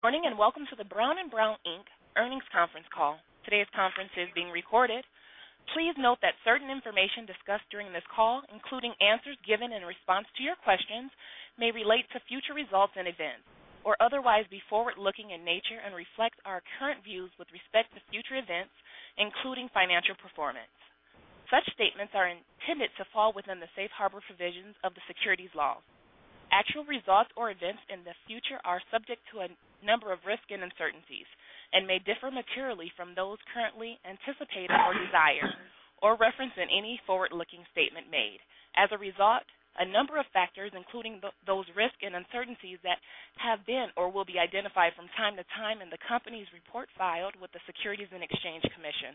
Morning, welcome to the Brown & Brown, Inc. Earnings Conference Call. Today's conference is being recorded. Please note that certain information discussed during this call, including answers given in response to your questions, may relate to future results and events or otherwise be forward-looking in nature and reflect our current views with respect to future events, including financial performance. Such statements are intended to fall within the safe harbor provisions of the Securities laws. Actual results or events in the future are subject to a number of risks and uncertainties and may differ materially from those currently anticipated or desired or referenced in any forward-looking statement made. As a result, a number of factors, including those risks and uncertainties that have been or will be identified from time to time in the company's report filed with the Securities and Exchange Commission.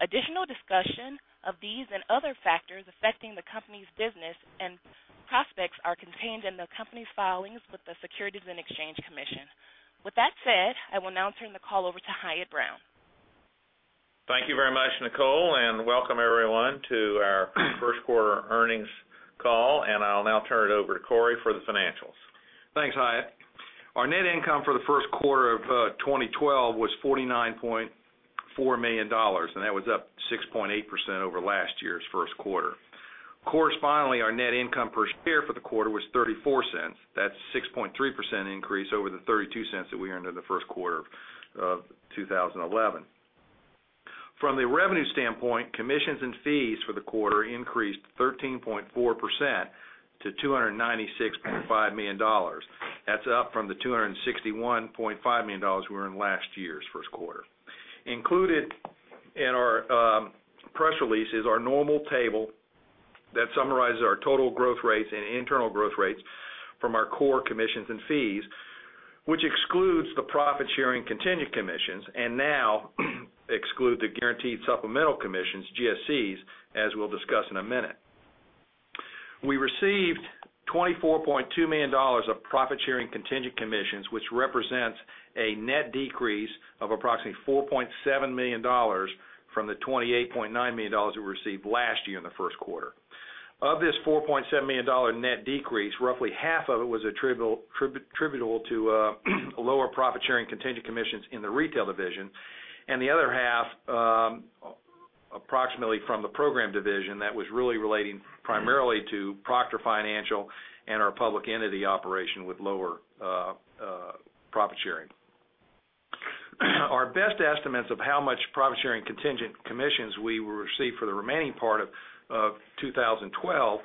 Additional discussion of these and other factors affecting the company's business and prospects are contained in the company's filings with the Securities and Exchange Commission. With that said, I will now turn the call over to Hyatt Brown. Thank you very much, Nicole, welcome everyone to our first quarter earnings call. I'll now turn it over to Cory for the financials. Thanks, Hyatt. Our net income for the first quarter of 2012 was $49.4 million, and that was up 6.8% over last year's first quarter. Correspondingly, our net income per share for the quarter was $0.34. That's a 6.3% increase over the $0.32 that we earned in the first quarter of 2011. From the revenue standpoint, commissions and fees for the quarter increased 13.4% to $296.5 million. That's up from the $261.5 million we were in last year's first quarter. Included in our press release is our normal table that summarizes our total growth rates and internal growth rates from our core commissions and fees, which excludes the profit-sharing contingent commissions and now excludes the guaranteed supplemental commissions, GSCs, as we'll discuss in a minute. We received $24.2 million of profit-sharing contingent commissions, which represents a net decrease of approximately $4.7 million from the $28.9 million we received last year in the first quarter. Of this $4.7 million net decrease, roughly half of it was attributable to lower profit-sharing contingent commissions in the retail division and the other half, approximately from the program division that was really relating primarily to Proctor Financial and our public entity operation with lower profit-sharing. Our best estimates of how much profit-sharing contingent commissions we will receive for the remaining part of 2012,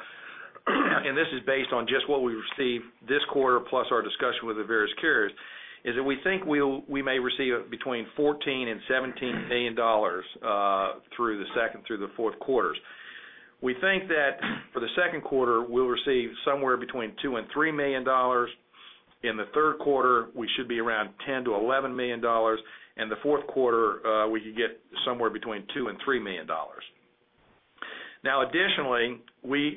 and this is based on just what we received this quarter plus our discussion with the various carriers, is that we think we may receive between $14 million and $17 million through the second through the fourth quarters. We think that for the second quarter, we'll receive somewhere between $2 million and $3 million. In the third quarter, we should be around $10 million to $11 million, and the fourth quarter, we could get somewhere between $2 million and $3 million. Additionally,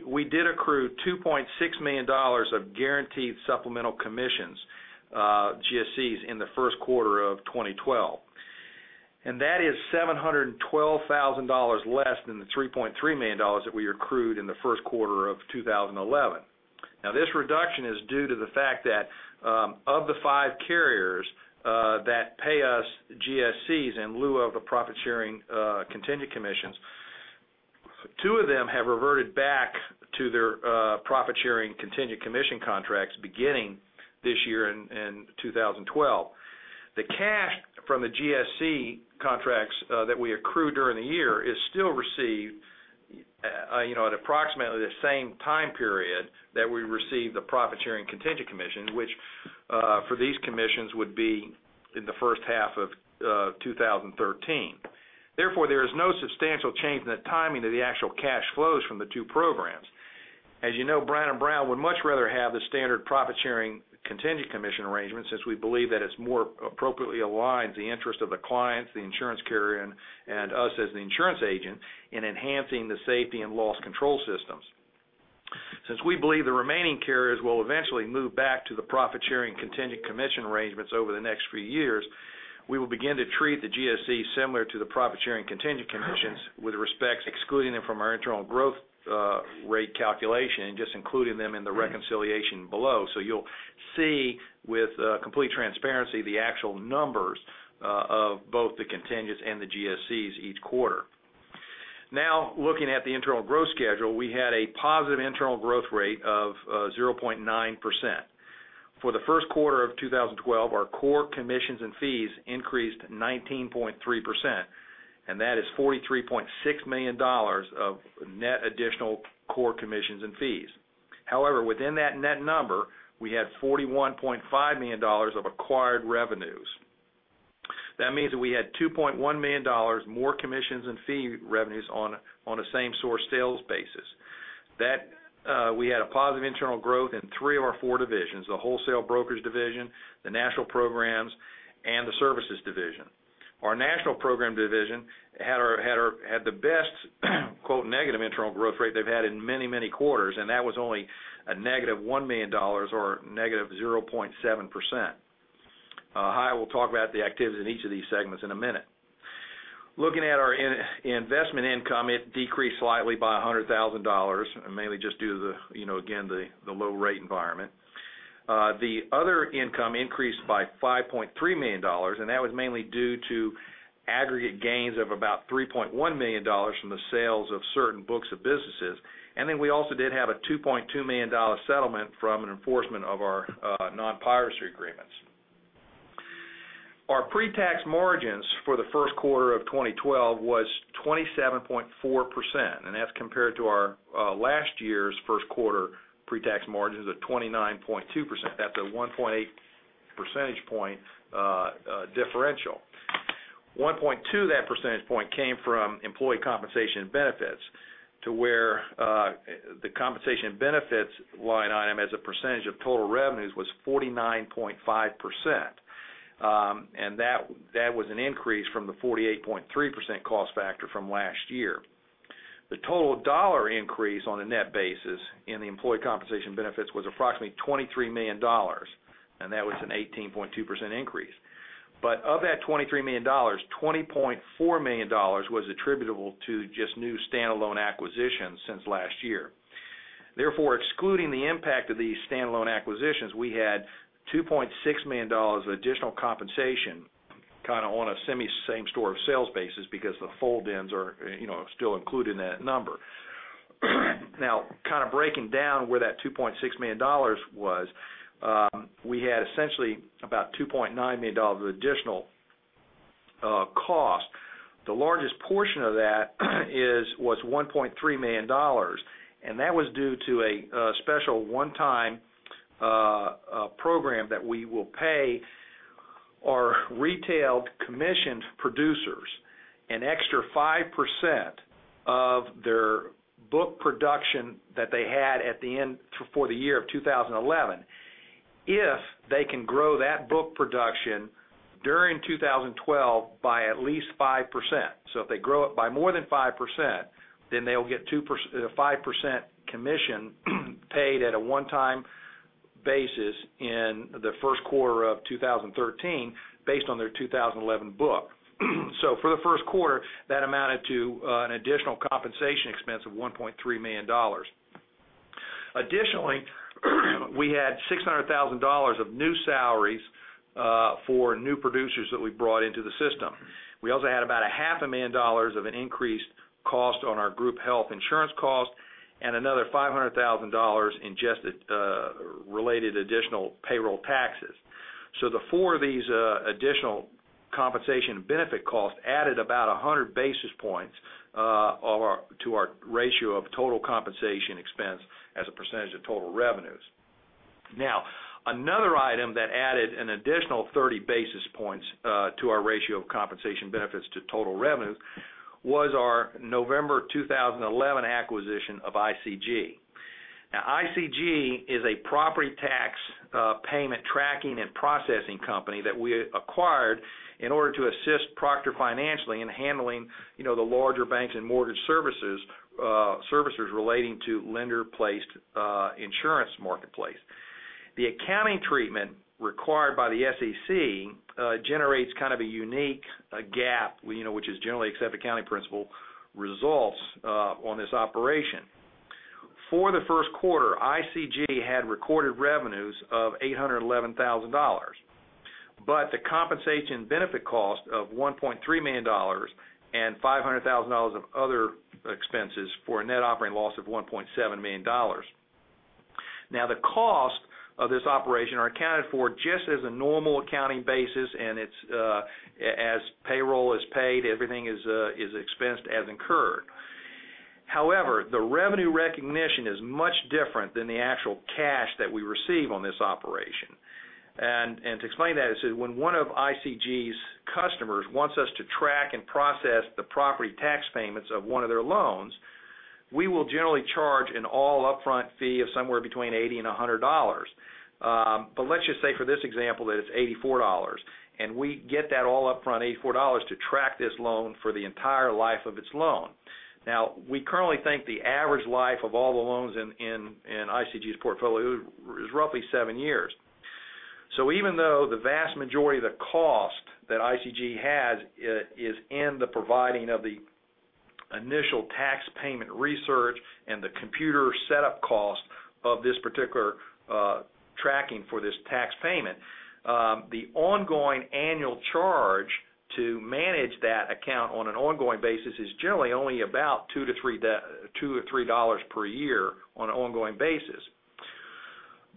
we did accrue $2.6 million of guaranteed supplemental commissions, GSCs, in the first quarter of 2012. That is $712,000 less than the $3.3 million that we accrued in the first quarter of 2011. This reduction is due to the fact that of the five carriers that pay us GSCs in lieu of a profit-sharing contingent commissions, two of them have reverted back to their profit-sharing contingent commission contracts beginning this year in 2012. The cash from the GSC contracts that we accrue during the year is still received at approximately the same time period that we receive the profit-sharing contingent commission, which for these commissions would be in the first half of 2013. There is no substantial change in the timing of the actual cash flows from the two programs. As you know, Brown & Brown would much rather have the standard profit-sharing contingent commission arrangement, since we believe that it more appropriately aligns the interest of the clients, the insurance carrier, and us as the insurance agent in enhancing the safety and loss control systems. We believe the remaining carriers will eventually move back to the profit-sharing contingent commission arrangements over the next few years, we will begin to treat the GSC similar to the profit-sharing contingent commissions with respect, excluding them from our internal growth rate calculation and just including them in the reconciliation below. You'll see with complete transparency the actual numbers of both the contingents and the GSCs each quarter. Looking at the internal growth schedule, we had a positive internal growth rate of 0.9%. For the first quarter of 2012, our core commissions and fees increased 19.3%, and that is $43.6 million of net additional core commissions and fees. Within that net number, we had $41.5 million of acquired revenues. That means that we had $2.1 million more commissions and fee revenues on a same-source sales basis. We had a positive internal growth in three of our four divisions, the wholesale brokers division, the national programs, and the services division. Our national program division had the best negative internal growth rate they've had in many, many quarters, and that was only a negative $1 million or negative 0.7%. Hyatt will talk about the activities in each of these segments in a minute. Looking at our investment income, it decreased slightly by $100,000, mainly just due to, again, the low rate environment. The other income increased by $5.3 million, that was mainly due to aggregate gains of about $3.1 million from the sales of certain books of businesses. We also did have a $2.2 million settlement from an enforcement of our non-piracy agreements. Our pre-tax margins for the first quarter of 2012 was 27.4%, that's compared to our last year's first quarter pre-tax margins of 29.2%. That's a 1.8 percentage point differential. 1.2 of that percentage point came from employee compensation benefits, to where the compensation benefits line item as a percentage of total revenues was 49.5%. That was an increase from the 48.3% cost factor from last year. The total dollar increase on a net basis in the employee compensation benefits was approximately $23 million, that was an 18.2% increase. Of that $23 million, $20.4 million was attributable to just new standalone acquisitions since last year. Therefore, excluding the impact of these standalone acquisitions, we had $2.6 million of additional compensation on a semi-same store of sales basis because the fold-ins are still included in that number. Breaking down where that $2.6 million was, we had essentially about $2.9 million of additional cost. The largest portion of that was $1.3 million, that was due to a special one-time program that we will pay our retail commissioned producers an extra 5% of their book production that they had at the end for the year of 2011, if they can grow that book production during 2012 by at least 5%. If they grow it by more than 5%, then they'll get a 5% commission paid at a one-time basis in the first quarter of 2013 based on their 2011 book. For the first quarter, that amounted to an additional compensation expense of $1.3 million. Additionally, we had $600,000 of new salaries for new producers that we brought into the system. We also had about a half a million dollars of an increased cost on our group health insurance cost and another $500,000 in just related additional payroll taxes. The four of these additional compensation benefit costs added about 100 basis points to our ratio of total compensation expense as a percentage of total revenues. Another item that added an additional 30 basis points to our ratio of compensation benefits to total revenues was our November 2011 acquisition of ICG. ICG is a property tax payment tracking and processing company that we acquired in order to assist Proctor Financial in handling the larger banks and mortgage servicers relating to lender-placed insurance marketplace. The accounting treatment required by the SEC generates kind of a unique GAAP, which is generally accepted accounting principle, results on this operation. For the first quarter, ICG had recorded revenues of $811,000. The compensation benefit cost of $1.3 million and $500,000 of other expenses for a net operating loss of $1.7 million. The cost of this operation are accounted for just as a normal accounting basis, and as payroll is paid, everything is expensed as incurred. However, the revenue recognition is much different than the actual cash that we receive on this operation. To explain that is when one of ICG's customers wants us to track and process the property tax payments of one of their loans, we will generally charge an all upfront fee of somewhere between $80 and $100. Let's just say for this example that it's $84, and we get that all upfront, $84, to track this loan for the entire life of its loan. We currently think the average life of all the loans in ICG's portfolio is roughly seven years. Even though the vast majority of the cost that ICG has is in the providing of the initial tax payment research and the computer setup cost of this particular tracking for this tax payment, the ongoing annual charge to manage that account on an ongoing basis is generally only about $2 to $3 per year on an ongoing basis.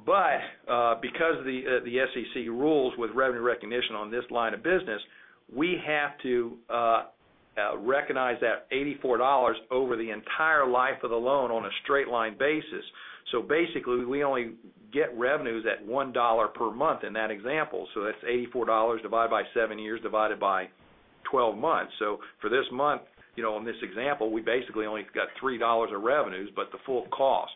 Because of the SEC rules with revenue recognition on this line of business, we have to recognize that $84 over the entire life of the loan on a straight line basis. Basically, we only get revenues at $1 per month in that example. That's $84 divided by seven years, divided by 12 months. For this month, in this example, we basically only got $3 of revenues, but the full cost.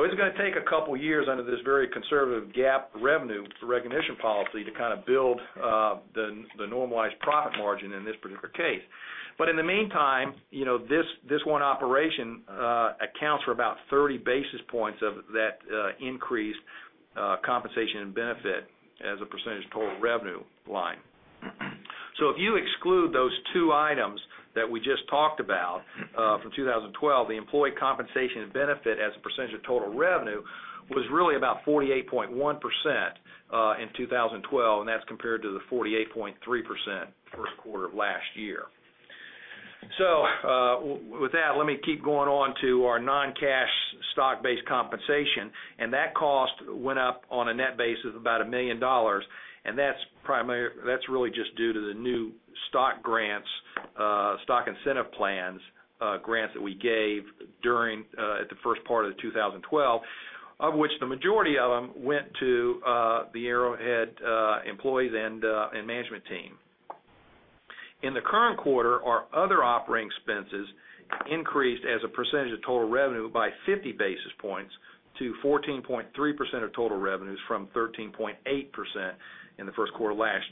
It's going to take a couple of years under this very conservative GAAP revenue recognition policy to kind of build the normalized profit margin in this particular case. In the meantime, this one operation accounts for about 30 basis points of that increase compensation and benefit as a percentage of total revenue line. If you exclude those two items that we just talked about from 2012, the employee compensation and benefit as a percentage of total revenue was really about 48.1% in 2012, and that's compared to the 48.3% first quarter of last year. With that, let me keep going on to our non-cash stock-based compensation, and that cost went up on a net basis of about $1 million, and that's really just due to the new stock grants, stock incentive plans grants that we gave during the first part of 2012, of which the majority of them went to the Arrowhead employees and management team. In the current quarter, our other operating expenses increased as a percentage of total revenue by 50 basis points to 14.3% of total revenues from 13.8% in the first quarter last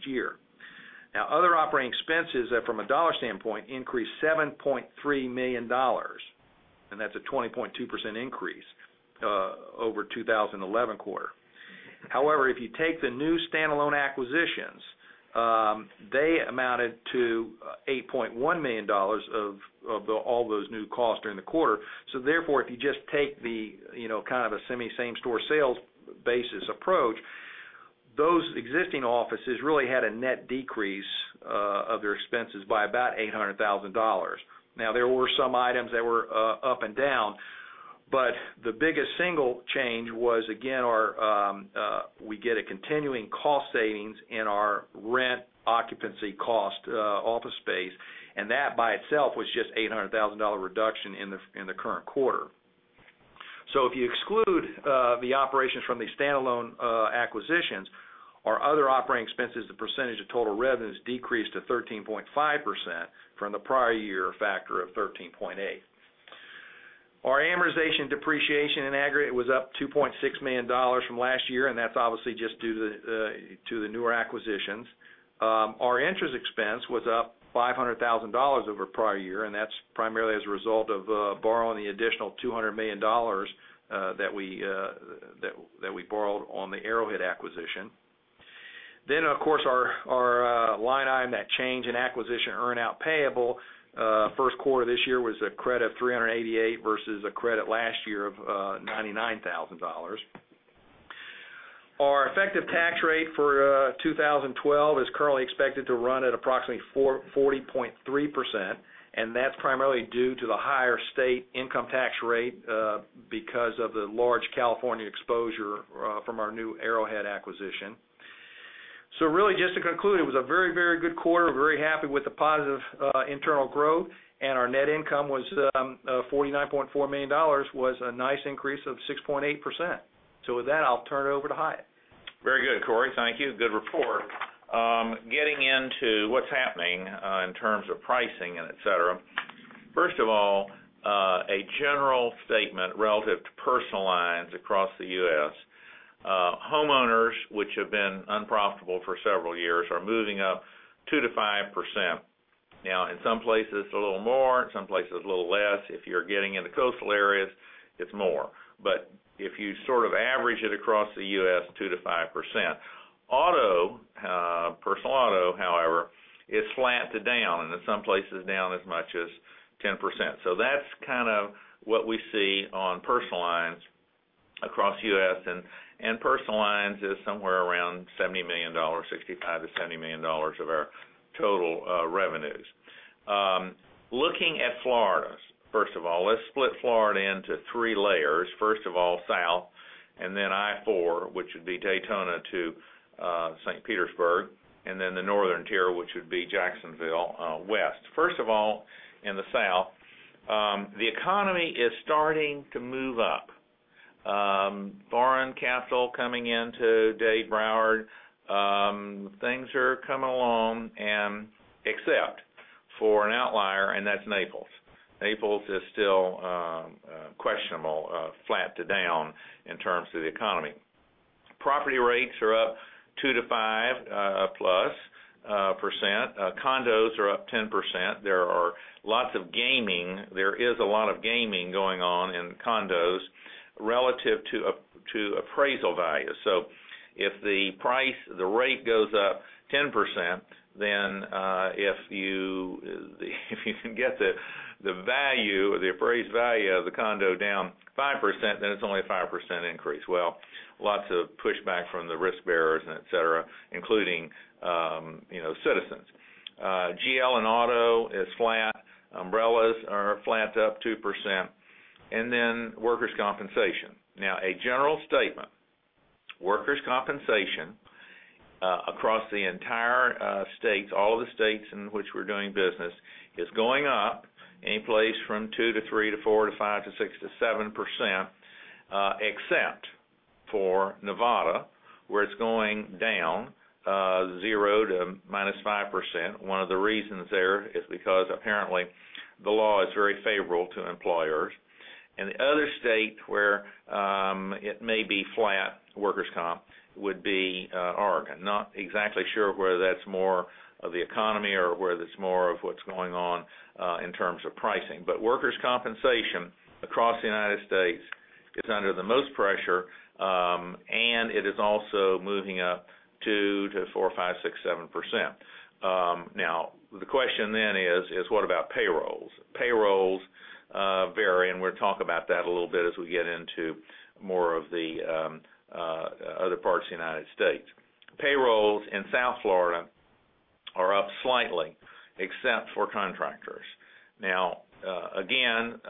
year. Other operating expenses from a dollar standpoint increased to $7.3 million, and that's a 20.2% increase over 2011 quarter. However, if you take the new standalone acquisitions, they amounted to $8.1 million of all those new costs during the quarter. Therefore, if you just take the kind of a semi same store sales basis approach, those existing offices really had a net decrease of their expenses by about $800,000. There were some items that were up and down, but the biggest single change was, again, we get a continuing cost savings in our rent occupancy cost office space, and that by itself was just a $800,000 reduction in the current quarter. If you exclude the operations from the standalone acquisitions, our other operating expenses as a percentage of total revenues decreased to 13.5% from the prior year factor of 13.8. Our amortization depreciation in aggregate was up $2.6 million from last year. That's obviously just due to the newer acquisitions. Our interest expense was up $500,000 over prior year. That's primarily as a result of borrowing the additional $200 million that we borrowed on the Arrowhead acquisition. Of course, our line item, that change in acquisition earnout payable, first quarter this year was a credit of $388 versus a credit last year of $99,000. Our effective tax rate for 2012 is currently expected to run at approximately 40.3%. That's primarily due to the higher state income tax rate because of the large California exposure from our new Arrowhead acquisition. Really just to conclude, it was a very good quarter, very happy with the positive internal growth, and our net income was $49.4 million, was a nice increase of 6.8%. With that, I'll turn it over to Hyatt. Very good, Cory. Thank you. Good report. Getting into what's happening in terms of pricing and et cetera. First of all, a general statement relative to personal lines across the U.S. Homeowners, which have been unprofitable for several years, are moving up 2%-5%. In some places, it's a little more, in some places a little less. If you're getting into coastal areas, it's more. If you sort of average it across the U.S., 2%-5%. Personal auto, however, is flat to down, and in some places down as much as 10%. That's kind of what we see on personal lines across the U.S., and personal lines is somewhere around $70 million, $65 million-$70 million of our total revenues. Looking at Florida, first of all, let's split Florida into three layers. First of all, south. Then I-4, which would be Daytona to St. Petersburg. Then the northern tier, which would be Jacksonville west. First of all, in the south, the economy is starting to move up. Foreign capital coming into Dade, Broward. Things are coming along, except for an outlier, and that's Naples. Naples is still questionable, flat to down in terms of the economy. Property rates are up 2%-5+%. Condos are up 10%. There are lots of gaming. There is a lot of gaming going on in condos relative to appraisal value. If the rate goes up 10%, if you can get the appraised value of the condo down 5%, it's only a 5% increase. Lots of pushback from the risk bearers and et cetera, including Citizens. GL in auto is flat. Umbrellas are flat to up 2%. Then workers' compensation. Now, a general statement. Workers' compensation across the entire states, all the states in which we're doing business, is going up any place from 2% to 3% to 4% to 5% to 6% to 7%, except for Nevada, where it's going down 0% to -5%. One of the reasons there is because apparently the law is very favorable to employers, and the other state where it may be flat, workers' comp, would be Oregon. Not exactly sure whether that's more of the economy or whether it's more of what's going on in terms of pricing. Workers' compensation across the United States, it's under the most pressure, and it is also moving up 2% to 4%, 5%, 6%, 7%. Now, the question then is what about payrolls? Payrolls vary, and we'll talk about that a little bit as we get into more of the other parts of the United States. Payrolls in South Florida are up slightly, except for contractors. Now, again,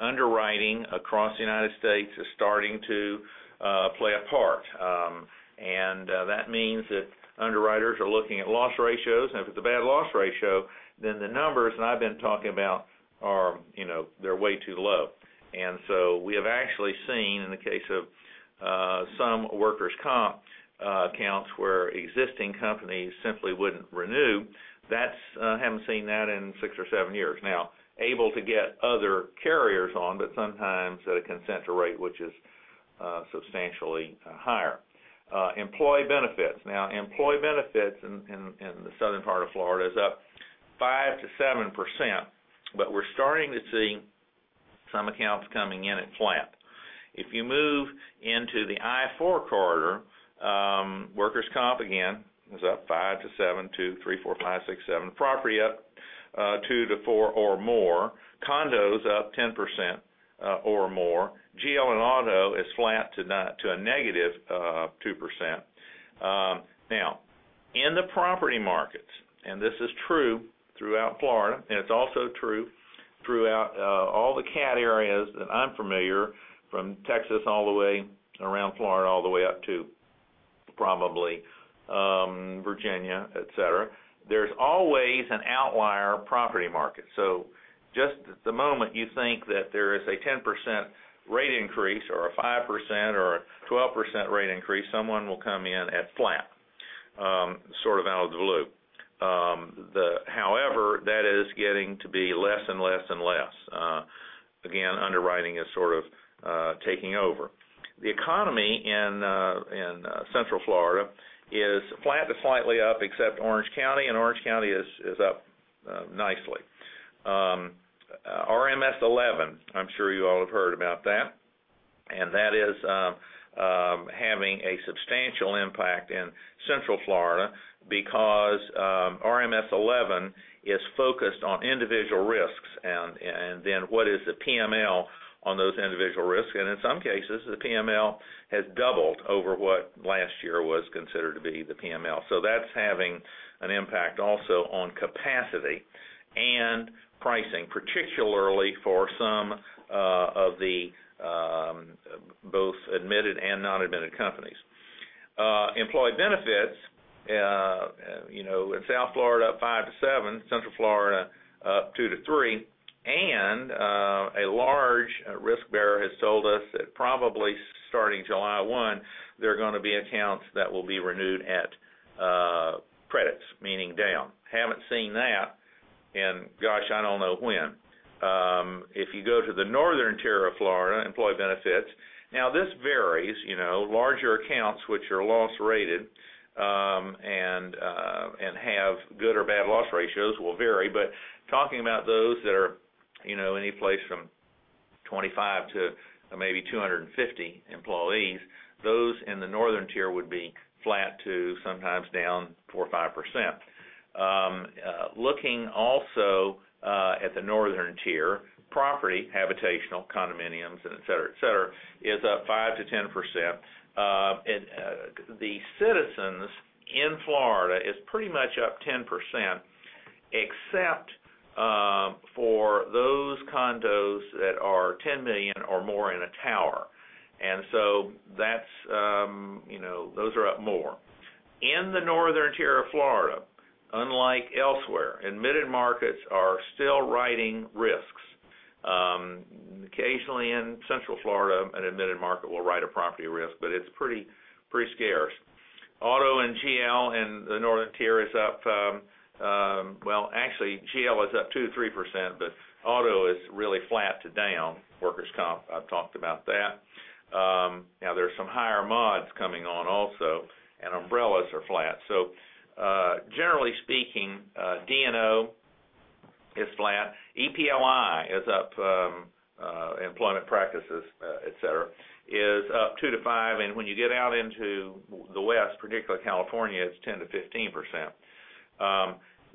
underwriting across the United States is starting to play a part. That means that underwriters are looking at loss ratios, and if it's a bad loss ratio, then the numbers that I've been talking about, they're way too low. We have actually seen, in the case of some workers' comp accounts where existing companies simply wouldn't renew, haven't seen that in six or seven years. Now, able to get other carriers on, but sometimes at a consent to rate, which is substantially higher. Employee benefits. Now, employee benefits in the southern part of Florida is up 5%-7%, but we're starting to see some accounts coming in at flat. If you move into the I-4 corridor, workers' comp, again, is up 5%-7% to 3%, 4%, 5%, 6%, 7%. Property up 2%-4% or more. Condos up 10% or more. GL and auto is flat to a -2%. Now, in the property markets, and this is true throughout Florida, and it's also true throughout all the cat areas that I'm familiar, from Texas all the way around Florida, all the way up to probably Virginia, et cetera, there's always an outlier property market. Just at the moment you think that there is a 10% rate increase or a 5% or a 12% rate increase, someone will come in at flat, sort of out of the blue. However, that is getting to be less and less and less. Again, underwriting is sort of taking over. The economy in Central Florida is flat to slightly up except Orange County, and Orange County is up nicely. RMS 11, I'm sure you all have heard about that, and that is having a substantial impact in Central Florida because RMS 11 is focused on individual risks and then what is the PML on those individual risks. In some cases, the PML has doubled over what last year was considered to be the PML. That's having an impact also on capacity and pricing, particularly for some of the both admitted and non-admitted companies. Employee benefits, in South Florida, up five to seven, Central Florida, up two to three, and a large risk bearer has told us that probably starting July 1, there are going to be accounts that will be renewed at credits, meaning down. Haven't seen that in, gosh, I don't know when. If you go to the northern tier of Florida, employee benefits, this varies, larger accounts which are loss rated, and have good or bad loss ratios will vary, but talking about those that are any place from 25 to maybe 250 employees, those in the northern tier would be flat to sometimes down 4% or 5%. Looking also at the northern tier, property, habitational, condominiums, et cetera, et cetera, is up 5%-10%. Citizens in Florida is pretty much up 10%, except for those condos that are $10 million or more in a tower. Those are up more. In the northern tier of Florida, unlike elsewhere, admitted markets are still writing risks. Occasionally in Central Florida, an admitted market will write a property risk, but it's pretty scarce. Auto and GL in the northern tier is up Well, actually, GL is up 2%, 3%, but auto is really flat to down. Workers' comp, I've talked about that. There's some higher mods coming on also, umbrellas are flat. Generally speaking, D&O is flat. EPLI is up, employment practices, et cetera, is up 2% to 5%. When you get out into the West, particularly California, it's 10%-15%.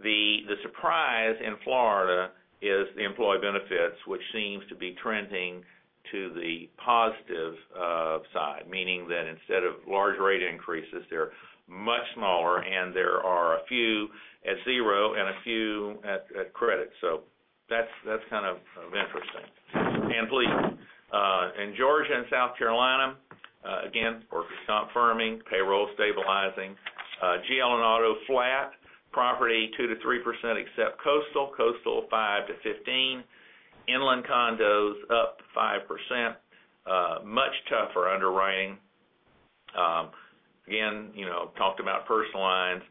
The surprise in Florida is the employee benefits, which seems to be trending to the positive side, meaning that instead of large rate increases, they're much smaller, there are a few at zero and a few at credit. That's kind of interesting. Finally, in Georgia and South Carolina, again, workers' comp firming, payroll stabilizing, GL and auto flat, property 2%-3% except coastal 5%-15%. Inland condos up 5%, much tougher underwriting. Again, talked about personal lines.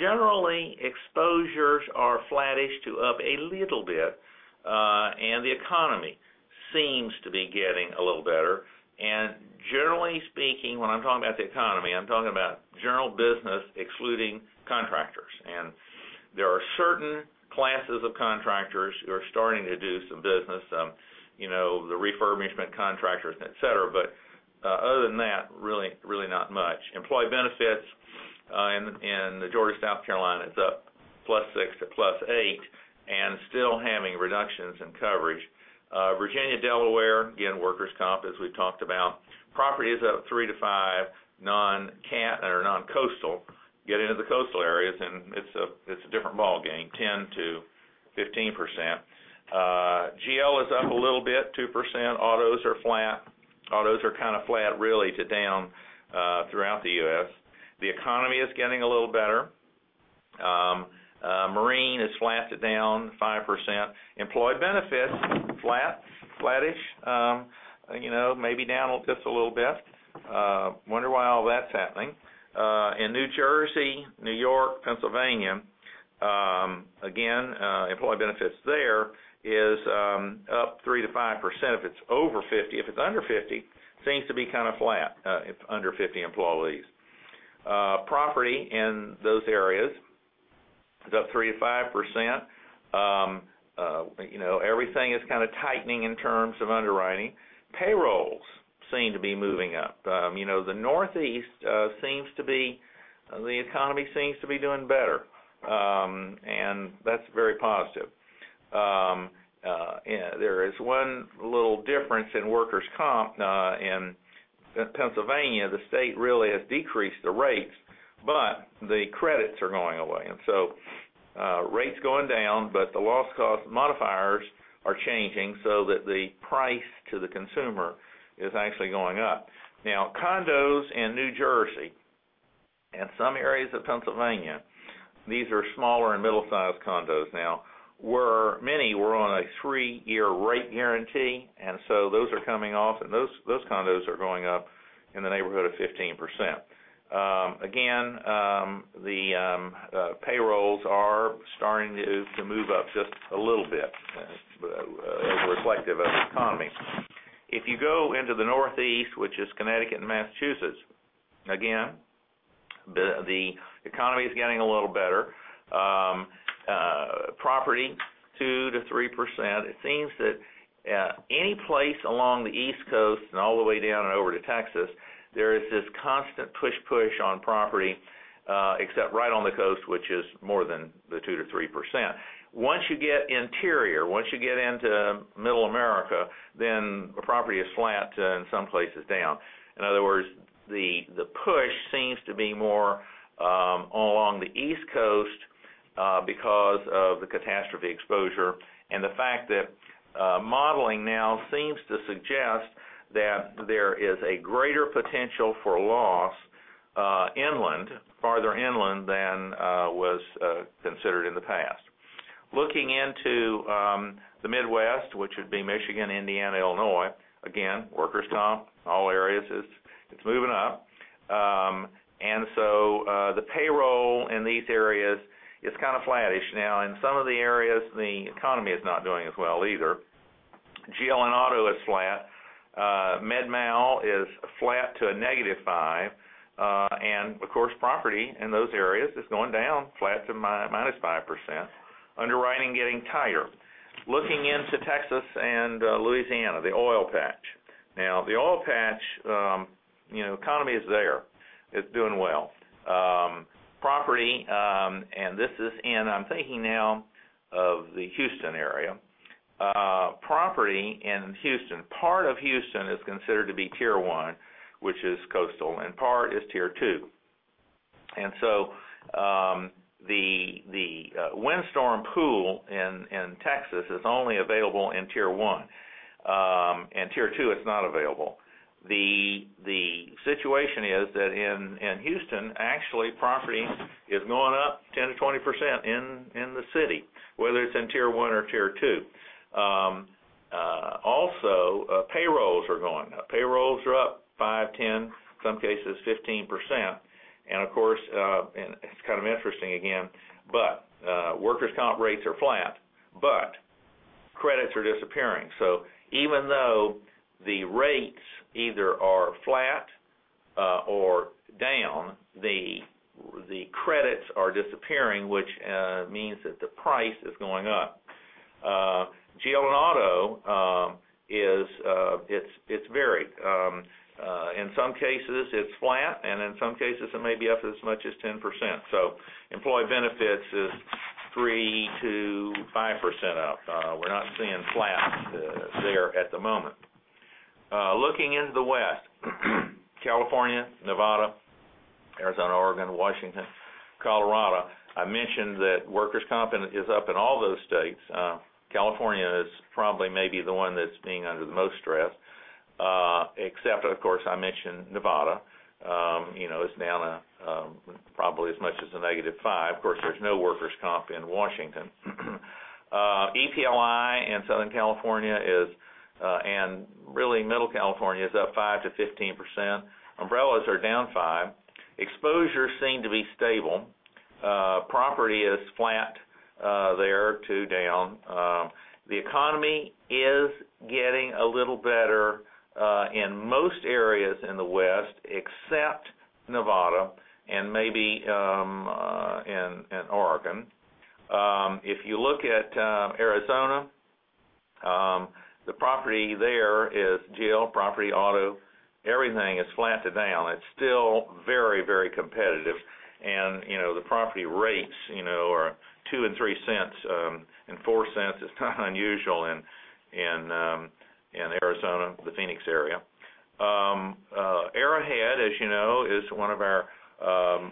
Generally, exposures are flattish to up a little bit. The economy seems to be getting a little better. Generally speaking, when I'm talking about the economy, I'm talking about general business, excluding contractors. There are certain classes of contractors who are starting to do some business, the refurbishment contractors, et cetera. Other than that, really not much. Employee benefits in Georgia, South Carolina is up +6 to +8, still having reductions in coverage. Virginia, Delaware, again, workers' comp, as we've talked about. Property is up 3%-5% non-coastal. Get into the coastal areas and it's a different ball game, 10%-15%. GL is up a little bit, 2%. Autos are flat. Autos are kind of flat really to down throughout the U.S. The economy is getting a little better. Marine is flat to down 5%. Employee benefits, flat, flattish, maybe down just a little bit. Wonder why all that's happening. In New Jersey, New York, Pennsylvania, again employee benefits there is up 3%-5% if it's over 50. If it's under 50, seems to be kind of flat, if under 50 employees. Property in those areas is up 3%-5%. Everything is kind of tightening in terms of underwriting. Payrolls seem to be moving up. The Northeast, the economy seems to be doing better. That's very positive. There is one little difference in workers' comp in Pennsylvania. The state really has decreased the rates, but the credits are going away. Rates going down, but the loss cost modifiers are changing so that the price to the consumer is actually going up. Condos in New Jersey and some areas of Pennsylvania, these are smaller and middle-sized condos now, many were on a 3-year rate guarantee, so those are coming off, and those condos are going up in the neighborhood of 15%. The payrolls are starting to move up just a little bit as reflective of the economy. If you go into the Northeast, which is Connecticut and Massachusetts, the economy's getting a little better. Property 2%-3%. It seems that any place along the East Coast and all the way down and over to Texas, there is this constant push on property except right on the coast, which is more than the 2%-3%. Once you get interior, once you get into Middle America, the property is flat, in some places down. In other words, the push seems to be more along the East Coast because of the catastrophe exposure and the fact that modeling now seems to suggest that there is a greater potential for loss farther inland than was considered in the past. Looking into the Midwest, which would be Michigan, Indiana, Illinois, workers' comp, all areas it's moving up. The payroll in these areas is kind of flattish. In some of the areas, the economy is not doing as well either. GL and auto is flat. Med Mal is flat to a -5%. Property in those areas is going down flat to -5%. Underwriting getting tighter. Looking into Texas and Louisiana, the oil patch. The oil patch, economy is there. It's doing well. Property, and this is in, I'm thinking now of the Houston area. Property in Houston, part of Houston is considered to be tier 1, which is coastal, and part is tier 2. The windstorm pool in Texas is only available in tier 1. In tier 2, it's not available. The situation is that in Houston actually, property is going up 10%-20% in the city, whether it's in tier 1 or tier 2. Also, payrolls are going up. Payrolls are up 5, 10, some cases 15%. Of course, and it's kind of interesting again, but workers' comp rates are flat, but credits are disappearing. Even though the rates either are flat or down, the credits are disappearing, which means that the price is going up. GL and auto, it's varied. In some cases it's flat, and in some cases it may be up as much as 10%. Employee benefits is 3%-5% up. We're not seeing flat there at the moment. Looking into the West, California, Nevada, Arizona, Oregon, Washington, Colorado. I mentioned that workers' compensation is up in all those states. California is probably maybe the one that's being under the most stress. Except, of course, I mentioned Nevada is down probably as much as a -5%. Of course, there's no workers' comp in Washington. EPLI in Southern California and really middle California is up 5%-15%. Umbrellas are down 5%. Exposures seem to be stable. Property is flat there, too, down. The economy is getting a little better in most areas in the West, except Nevada and maybe in Oregon. If you look at Arizona, the property there is GL, property, auto, everything is slanted down. It's still very competitive. The property rates are $0.02 and $0.03, and $0.04 is kind of unusual in Arizona, the Phoenix area. Arrowhead, as you know, is one of our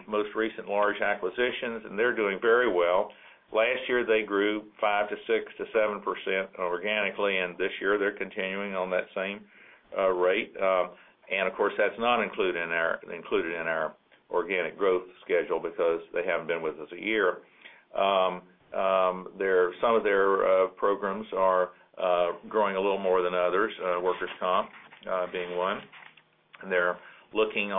most recent large acquisitions. They're doing very well. Last year, they grew 5% to 6% to 7% organically. This year they're continuing on that same rate. Of course, that's not included in our organic growth schedule because they haven't been with us a year. Some of their programs are growing a little more than others, workers' comp being one. They're looking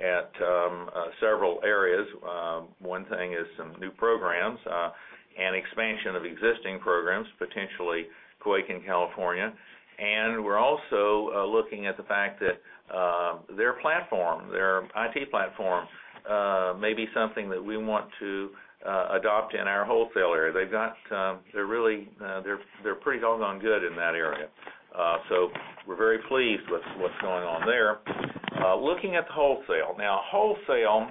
also at several areas. One thing is some new programs and expansion of existing programs, potentially quake in California. We're also looking at the fact that their IT platform may be something that we want to adopt in our wholesale area. They're pretty doggone good in that area. We're very pleased with what's going on there. Looking at the wholesale. Wholesale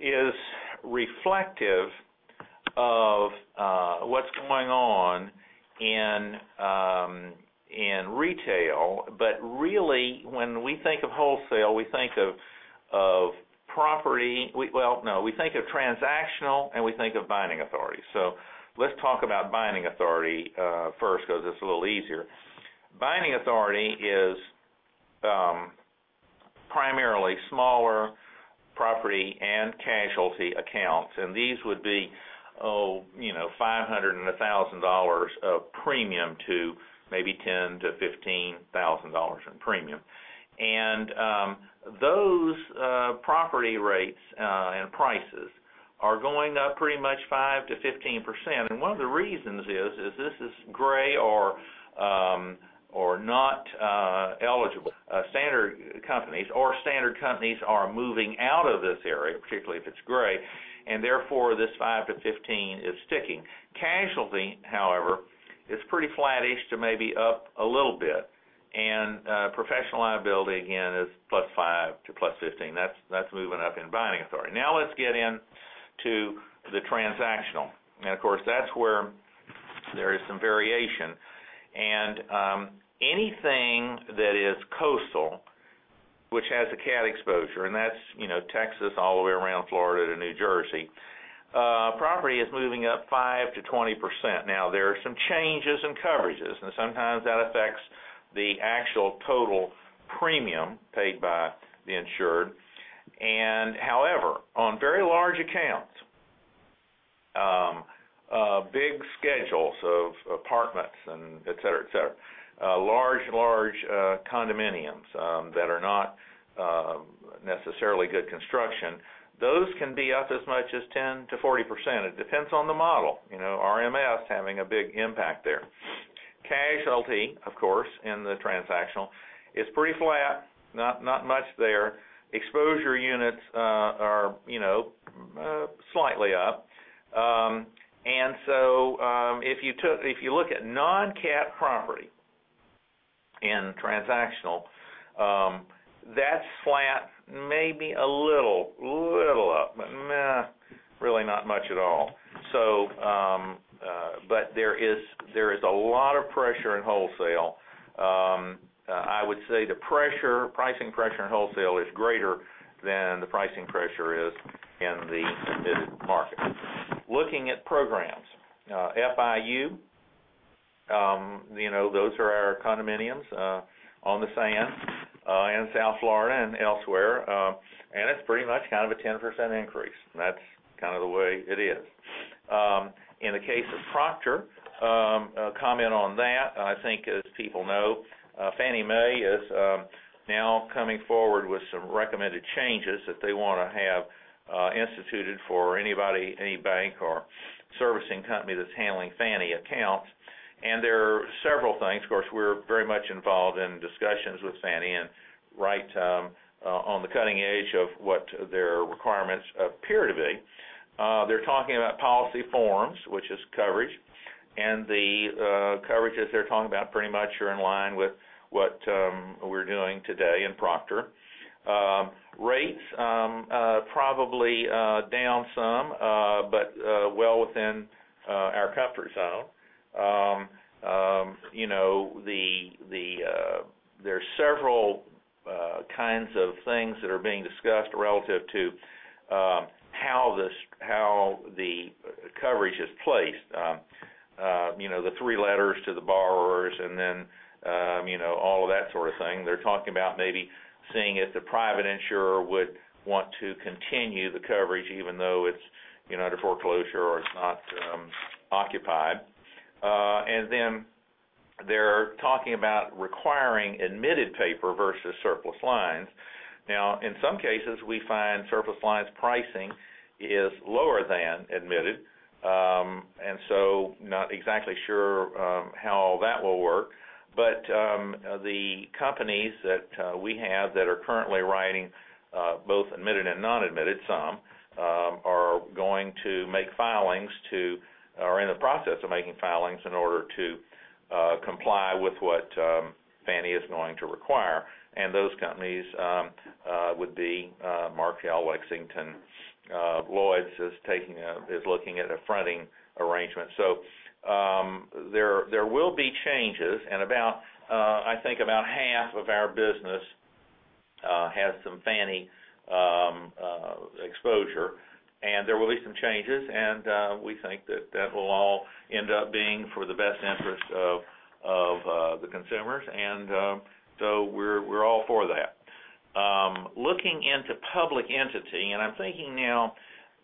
is reflective of what's going on in retail. Really, when we think of wholesale, we think of transactional, and we think of binding authority. Let's talk about binding authority first because it's a little easier. Binding authority is primarily smaller property and casualty accounts. These would be $500 and $1,000 of premium to maybe $10,000-$15,000 in premium. Those property rates and prices are going up pretty much 5%-15%. One of the reasons is this is gray or not eligible standard companies or standard companies are moving out of this area, particularly if it's gray, and therefore, this 5%-15% is sticking. Casualty, however, is pretty flattish to maybe up a little bit, and professional liability, again, is +5% to +15%. That's moving up in binding authority. Let's get into the transactional. Of course, that's where there is some variation. Anything that is coastal, which has a cat exposure, and that's Texas all the way around Florida to New Jersey, property is moving up 5%-20%. There are some changes in coverages, and sometimes that affects the actual total premium paid by the insured. However, on very large accounts, big schedules of apartments and et cetera, large condominiums that are not necessarily good construction, those can be up as much as 10%-40%. It depends on the model. RMS having a big impact there. Casualty, of course, in the transactional is pretty flat, not much there. Exposure units are slightly up. If you look at non-cat property in transactional, that's flat, maybe a little up, but really not much at all. There is a lot of pressure in wholesale. I would say the pricing pressure in wholesale is greater than the pricing pressure is in the admitted market. Looking at programs. FIU, those are our condominiums on the sand in South Florida and elsewhere. It's pretty much kind of a 10% increase, and that's kind of the way it is. In the case of Proctor, a comment on that, I think as people know, Fannie Mae is now coming forward with some recommended changes that they want to have instituted for anybody, any bank or servicing company that's handling Fannie accounts. There are several things, of course, we're very much involved in discussions with Fannie and right on the cutting edge of what their requirements appear to be. They're talking about policy forms, which is coverage, and the coverages they're talking about pretty much are in line with what we're doing today in Proctor. Rates probably down some, but well within our comfort zone. There's several kinds of things that are being discussed relative to how the coverage is placed. The three letters to the borrowers and then all of that sort of thing. They're talking about maybe seeing if the private insurer would want to continue the coverage even though it's under foreclosure or it's not occupied. They're talking about requiring admitted paper versus surplus lines. In some cases, we find surplus lines pricing is lower than admitted, not exactly sure how that will work. The companies that we have that are currently writing both admitted and non-admitted, some are going to make filings are in the process of making filings in order to comply with what Fannie is going to require. Those companies would be Markel, Lexington. Lloyd's is looking at a fronting arrangement. There will be changes, I think about half of our business has some Fannie exposure, and there will be some changes, and we think that that will all end up being for the best interest of the consumers. We're all for that. Looking into public entity, I'm thinking now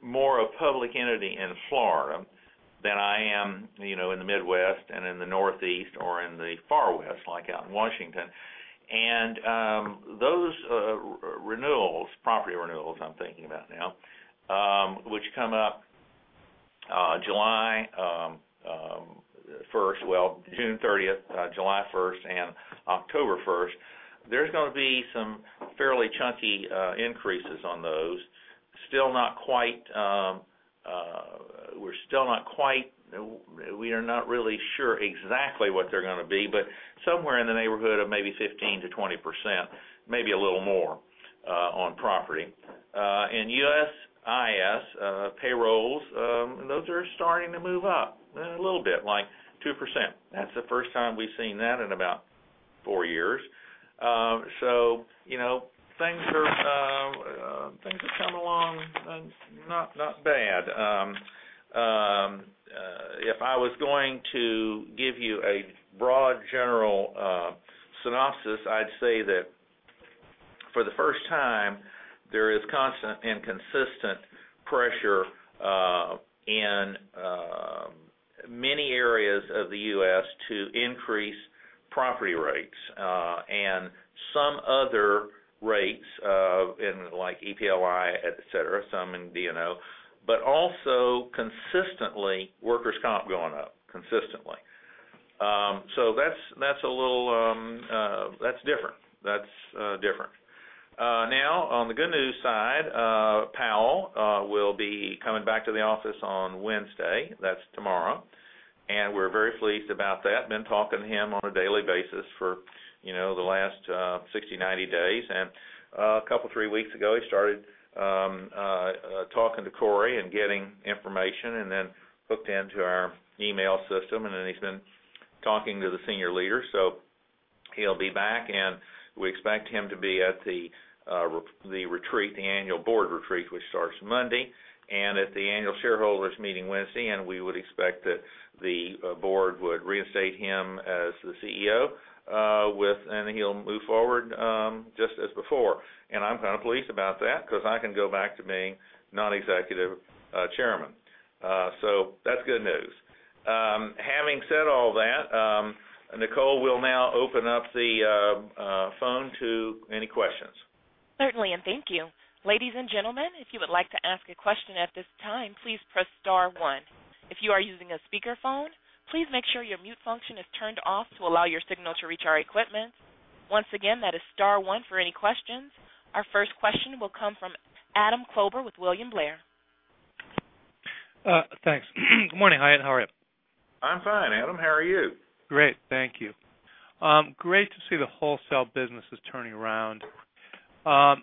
more of public entity in Florida than I am in the Midwest and in the Northeast or in the far West, like out in Washington. Those renewals, property renewals I'm thinking about now, which come up July 1st. June 30th, July 1st, and October 1st, there's going to be some fairly chunky increases on those. We're still not really sure exactly what they're going to be, but somewhere in the neighborhood of maybe 15%-20%, maybe a little more on property. In USIS, payrolls, those are starting to move up a little bit, like 2%. That's the first time we've seen that in about four years. Things are coming along not bad. If I was going to give you a broad general synopsis, I'd say that for the first time, there is constant and consistent pressure in many areas of the U.S. to increase property rates. Some other rates, in like EPLI, et cetera, some in D&O, but also consistently, workers' comp going up consistently. That's different. On the good news side, Powell will be coming back to the office on Wednesday, that's tomorrow. We're very pleased about that. Been talking to him on a daily basis for the last 60, 90 days. A couple three weeks ago, he started talking to Cory and getting information and hooked into our email system, he's been talking to the senior leaders. He'll be back, we expect him to be at the retreat, the annual board retreat, which starts Monday, and at the annual shareholders meeting Wednesday. We would expect that the board would reinstate him as the CEO, he'll move forward, just as before. I'm kind of pleased about that because I can go back to being non-executive chairman. That's good news. Having said all that, Nicole will now open up the phone to any questions. Certainly. Thank you. Ladies and gentlemen, if you would like to ask a question at this time, please press star one. If you are using a speakerphone, please make sure your mute function is turned off to allow your signal to reach our equipment. Once again, that is star one for any questions. Our first question will come from Adam Klauber with William Blair. Thanks. Good morning, Hyatt. How are you? I'm fine, Adam. How are you? Great. Thank you. Great to see the wholesale business is turning around. Of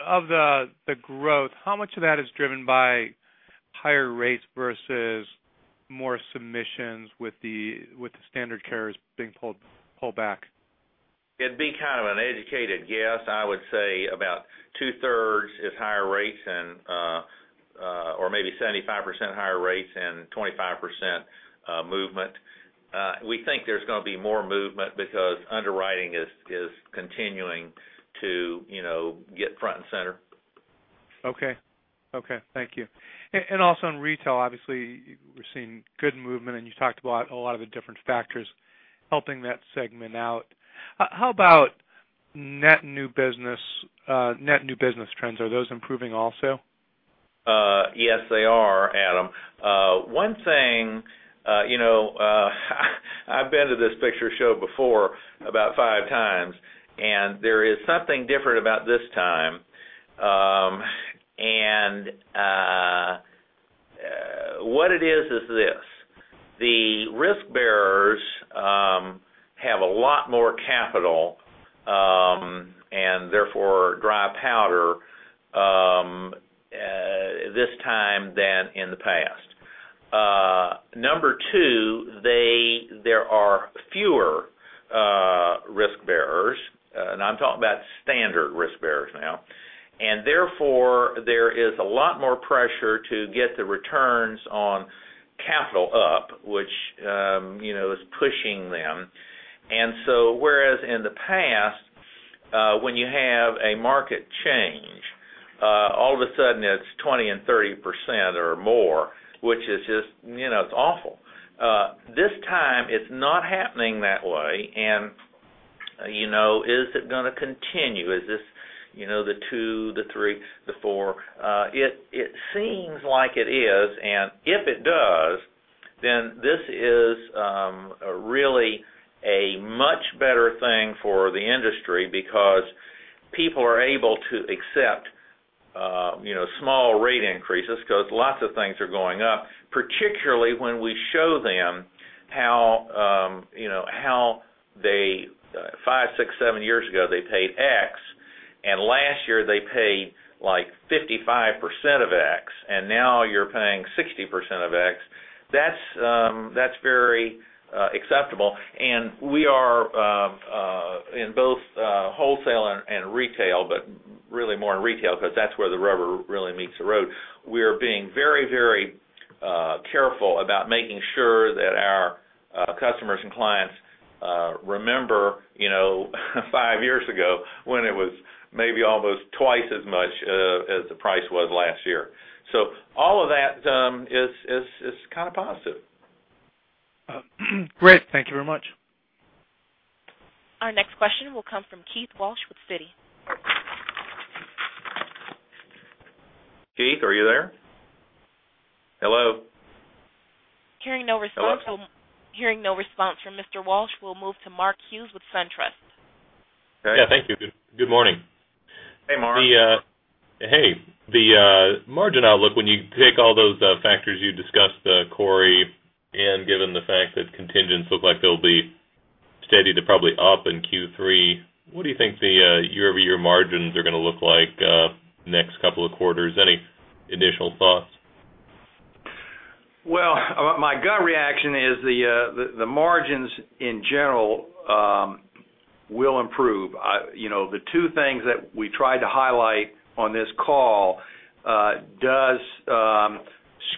the growth, how much of that is driven by higher rates versus more submissions with the standard carriers being pulled back? It'd be kind of an educated guess. I would say about two-thirds is higher rates or maybe 75% higher rates and 25% movement. We think there's going to be more movement because underwriting is continuing to get front and center. Okay. Thank you. Also in retail, obviously, we're seeing good movement, and you talked about a lot of the different factors helping that segment out. How about net new business trends? Are those improving also? Yes, they are, Adam. One thing, I've been to this picture show before about five times, there is something different about this time. What it is this. The risk bearers have a lot more capital, therefore dry powder, this time than in the past. Number 2, there are fewer risk bearers. I'm talking about standard risk bearers now. Therefore, there is a lot more pressure to get the returns on capital up, which is pushing them. So whereas in the past, when you have a market change All of a sudden it's 20% and 30% or more, which is just awful. This time it's not happening that way, is it going to continue? Is this the two, the three, the four? It seems like it is, if it does, this is really a much better thing for the industry because people are able to accept small rate increases because lots of things are going up. Particularly when we show them how they, five, six, seven years ago, they paid X, and last year they paid 55% of X, and now you're paying 60% of X. That's very acceptable. We are, in both wholesale and retail, but really more in retail because that's where the rubber really meets the road. We're being very careful about making sure that our customers and clients remember five years ago when it was maybe almost twice as much as the price was last year. All of that is kind of positive. Great. Thank you very much. Our next question will come from Keith Walsh with Citi. Keith, are you there? Hello? Hearing no response from Mr. Walsh, we'll move to Mark Hughes with SunTrust. Okay. Yeah. Thank you. Good morning. Hey, Mark. Hey. The margin outlook, when you take all those factors you discussed, Cory, and given the fact that contingents look like they'll be steady to probably up in Q3, what do you think the year-over-year margins are going to look like next couple of quarters? Any initial thoughts? Well, my gut reaction is the margins, in general, will improve. The two things that we tried to highlight on this call does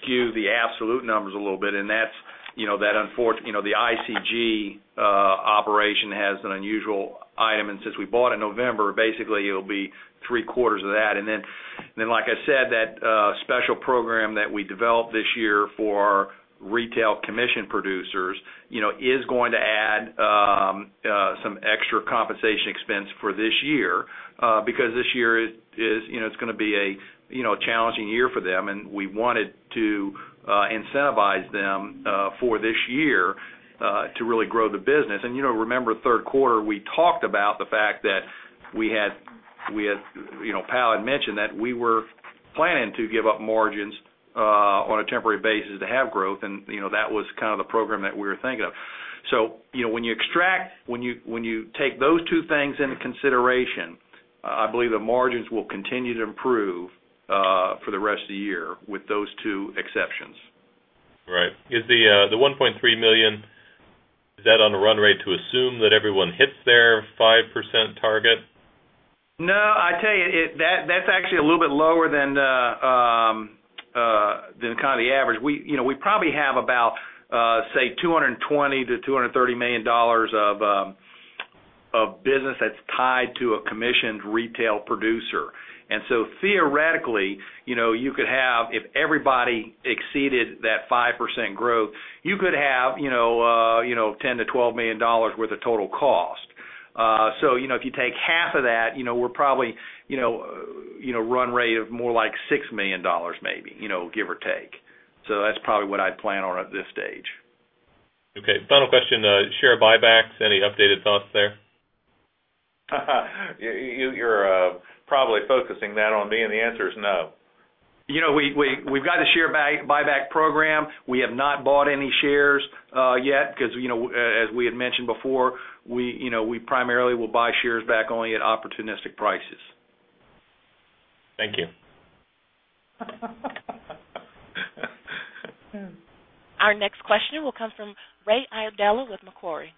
skew the absolute numbers a little bit, and that's the ICG operation has an unusual item. Since we bought in November, basically it'll be three quarters of that. Then, like I said, that special program that we developed this year for retail commission producers is going to add some extra compensation expense for this year because this year it's going to be a challenging year for them, and we wanted to incentivize them for this year to really grow the business. Remember third quarter, we talked about the fact that Pal had mentioned that we were planning to give up margins on a temporary basis to have growth, and that was kind of the program that we were thinking of. When you extract, when you take those two things into consideration, I believe the margins will continue to improve for the rest of the year with those two exceptions. Right. Is the $1.3 million, is that on a run rate to assume that everyone hits their 5% target? No, I tell you, that's actually a little bit lower than kind of the average. We probably have about, say, $220 million-$230 million of business that's tied to a commissioned retail producer. Theoretically, you could have, if everybody exceeded that 5% growth, you could have $10 million-$12 million worth of total cost. If you take half of that, we're probably run rate of more like $6 million maybe, give or take. That's probably what I'd plan on at this stage. Okay. Final question. Share buybacks, any updated thoughts there? You're probably focusing that on me, the answer is no. We've got a share buyback program. We have not bought any shares yet because as we had mentioned before, we primarily will buy shares back only at opportunistic prices. Thank you. Our next question will come from Ray Iardella with Macquarie.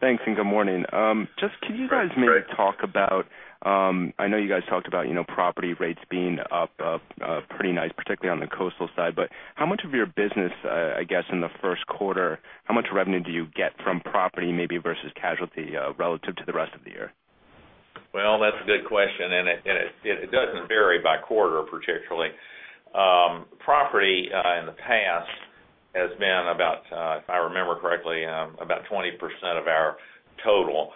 Thanks good morning. Ray. Can you guys maybe talk about, I know you guys talked about property rates being up pretty nice, particularly on the coastal side, how much of your business, I guess, in the first quarter, how much revenue do you get from property maybe versus casualty relative to the rest of the year? Well, that's a good question, it doesn't vary by quarter particularly. Property, in the past, has been about, if I remember correctly, about 20% of our total.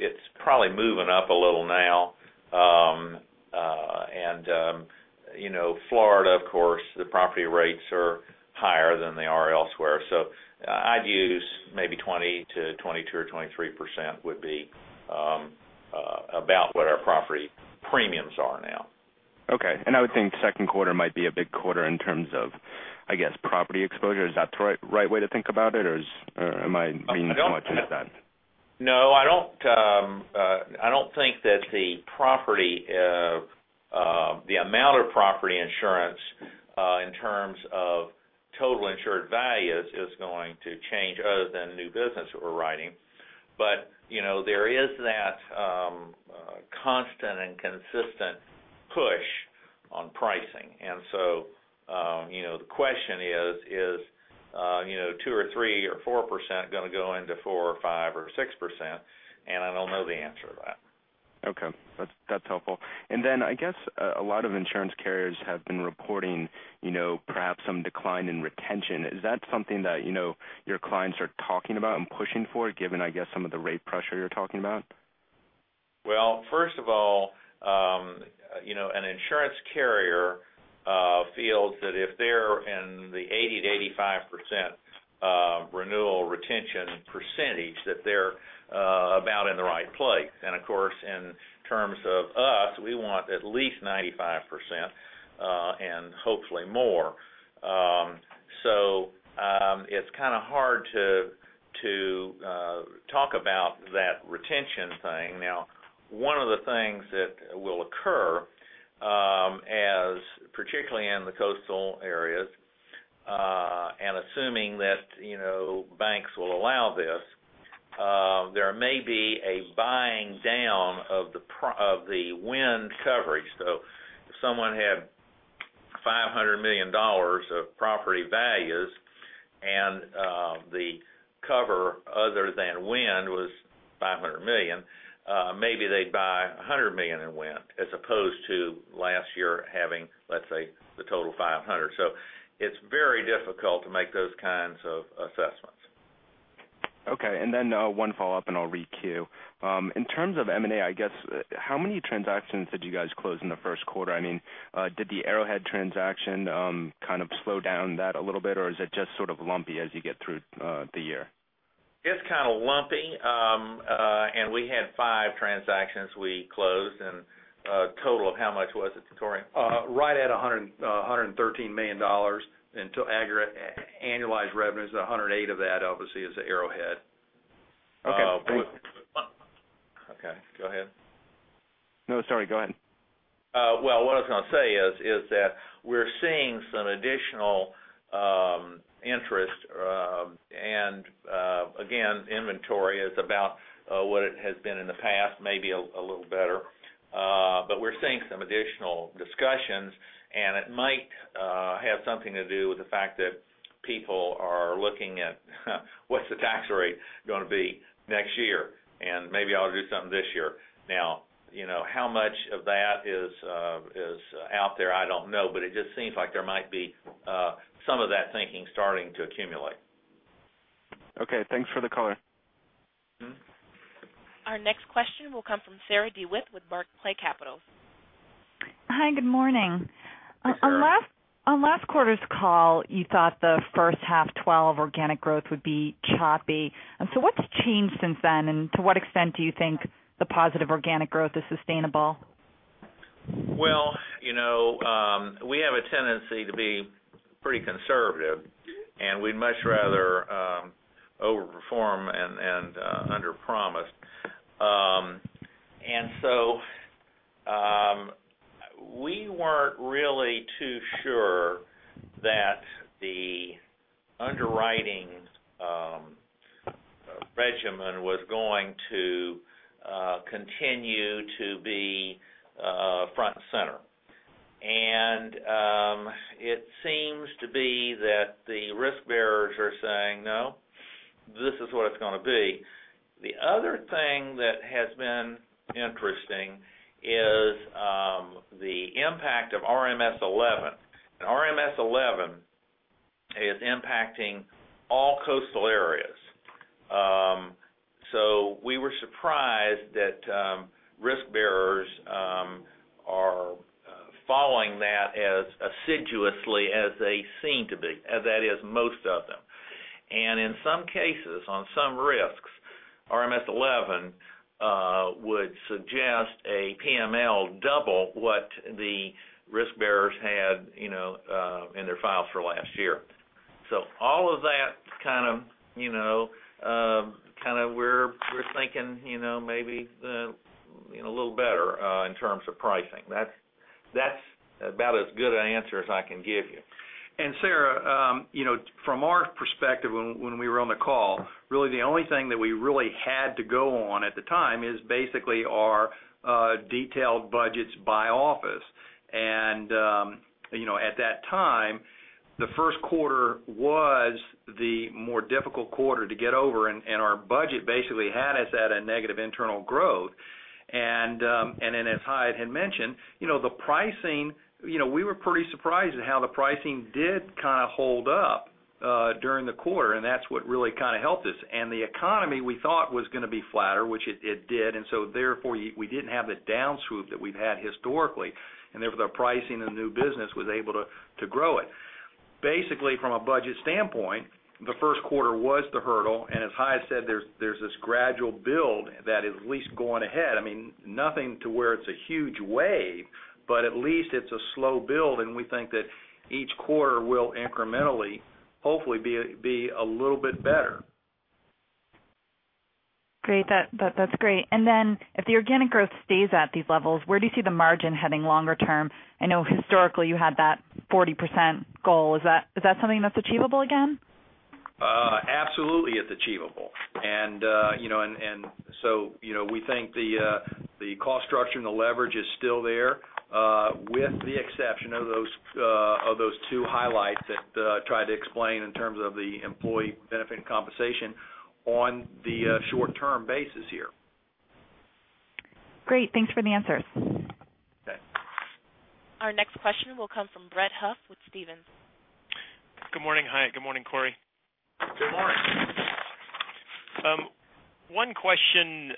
It's probably moving up a little now. Florida, of course, the property rates are higher than they are elsewhere. I'd use maybe 20%-22% or 23% would be about what our property premiums are now. Okay. I would think second quarter might be a big quarter in terms of, I guess, property exposure. Is that the right way to think about it? Am I reading too much into that? No, I don't think that the amount of property insurance in terms of total insured values is going to change other than new business that we're writing. There is that constant and consistent push Pricing. The question is: Is 2% or 3% or 4% going to go into 4% or 5% or 6%? I don't know the answer to that. Okay. That's helpful. I guess a lot of insurance carriers have been reporting perhaps some decline in retention. Is that something that your clients are talking about and pushing for, given, I guess, some of the rate pressure you're talking about? Well, first of all, an insurance carrier feels that if they're in the 80%-85% renewal retention percentage, that they're about in the right place. In terms of us, we want at least 95%, and hopefully more. It's kind of hard to talk about that retention thing. One of the things that will occur, particularly in the coastal areas, and assuming that banks will allow this, there may be a buying down of the wind coverage. If someone had $500 million of property values and the cover other than wind was $500 million, maybe they'd buy $100 million in wind, as opposed to last year having, let's say, the total $500 million. It's very difficult to make those kinds of assessments. Okay. One follow-up, and I'll re-queue. In terms of M&A, I guess, how many transactions did you guys close in the first quarter? Did the Arrowhead transaction kind of slow down that a little bit, or is it just sort of lumpy as you get through the year? It's kind of lumpy. We had five transactions we closed and a total of, how much was it, Cory? Right at $113 million in annualized revenues, and $108 million of that, obviously, is Arrowhead. Okay. Okay, go ahead. No, sorry, go ahead. Well, what I was going to say is that we're seeing some additional interest. Again, inventory is about what it has been in the past, maybe a little better. We're seeing some additional discussions, and it might have something to do with the fact that people are looking at what's the tax rate going to be next year, and maybe I'll do something this year. How much of that is out there, I don't know. It just seems like there might be some of that thinking starting to accumulate. Okay. Thanks for the color. Our next question will come from Sarah DeWitt with Barclays Capital. Hi, good morning. Good morning. On last quarter's call, you thought the first half 2012 organic growth would be choppy. What's changed since then, and to what extent do you think the positive organic growth is sustainable? Well, we have a tendency to be pretty conservative, and we'd much rather over-perform and underpromise. We weren't really too sure that the underwriting regimen was going to continue to be front and center. It seems to be that the risk bearers are saying, "No, this is what it's going to be." The other thing that has been interesting is the impact of RMS 11. RMS 11 is impacting all coastal areas. We were surprised that risk bearers are following that as assiduously as they seem to be, that is, most of them. In some cases, on some risks, RMS 11 would suggest a PML double what the risk bearers had in their files for last year. All of that kind of, we're thinking maybe a little better in terms of pricing. That's about as good an answer as I can give you. Sarah, from our perspective when we were on the call, really the only thing that we really had to go on at the time is basically our detailed budgets by office. At that time, the first quarter was the more difficult quarter to get over, and our budget basically had us at a negative internal growth. As Hyatt had mentioned, the pricing, we were pretty surprised at how the pricing did kind of hold up during the quarter, and that's what really kind of helped us. The economy we thought was going to be flatter, which it did, therefore, we didn't have the down swoop that we've had historically, and therefore, the pricing of the new business was able to grow it. Basically, from a budget standpoint, the first quarter was the hurdle, and as Hyatt said, there's this gradual build that is at least going ahead. Nothing to where it's a huge wave, but at least it's a slow build, and we think that each quarter will incrementally, hopefully be a little bit better. Great. That's great. If the organic growth stays at these levels, where do you see the margin heading longer term? I know historically you had that 40% goal. Is that something that's achievable again? Absolutely, it's achievable. We think the cost structure and the leverage is still there, with the exception of those two highlights that I tried to explain in terms of the employee benefit and compensation on the short-term basis here. Great. Thanks for the answers. Okay. Our next question will come from Brett Huff with Stephens. Good morning, Hyatt. Good morning, Cory. Good morning. One question.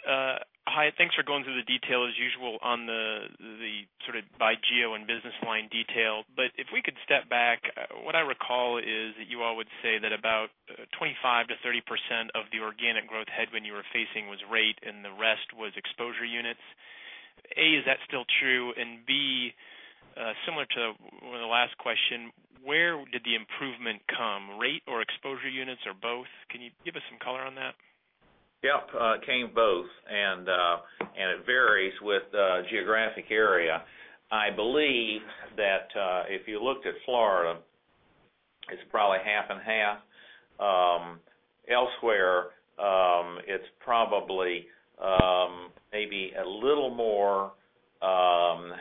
Hyatt, thanks for going through the detail, as usual, on the sort of by geo and business line detail. If we could step back, what I recall is that you all would say that about 25%-30% of the organic growth headwind you were facing was rate, and the rest was exposure units. A, is that still true? B, similar to one of the last question, where did the improvement come, rate or exposure units or both? Can you give us some color on that? Yep. Came both, it varies with geographic area. I believe that if you looked at Florida, it's probably half and half. Elsewhere, it's probably maybe a little more, and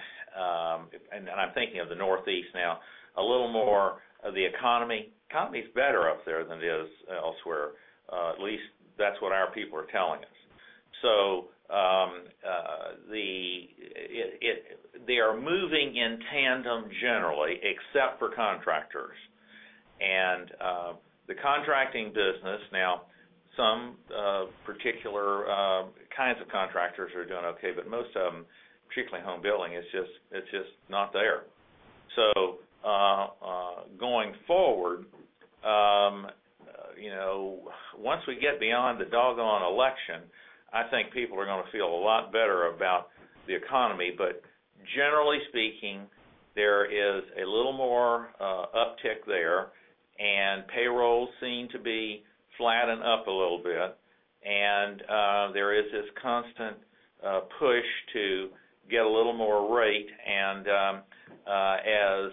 I'm thinking of the Northeast now, a little more of the economy. Economy's better up there than it is elsewhere. At least that's what our people are telling us. They are moving in tandem generally, except for contractors. The contracting business now, some particular kinds of contractors are doing okay, but most of them, particularly home building, it's just not there. Going forward, once we get beyond the doggone election, I think people are going to feel a lot better about the economy. Generally speaking, there is a little more uptick there, and payrolls seem to be flattened up a little bit. There is this constant push to get a little more rate. As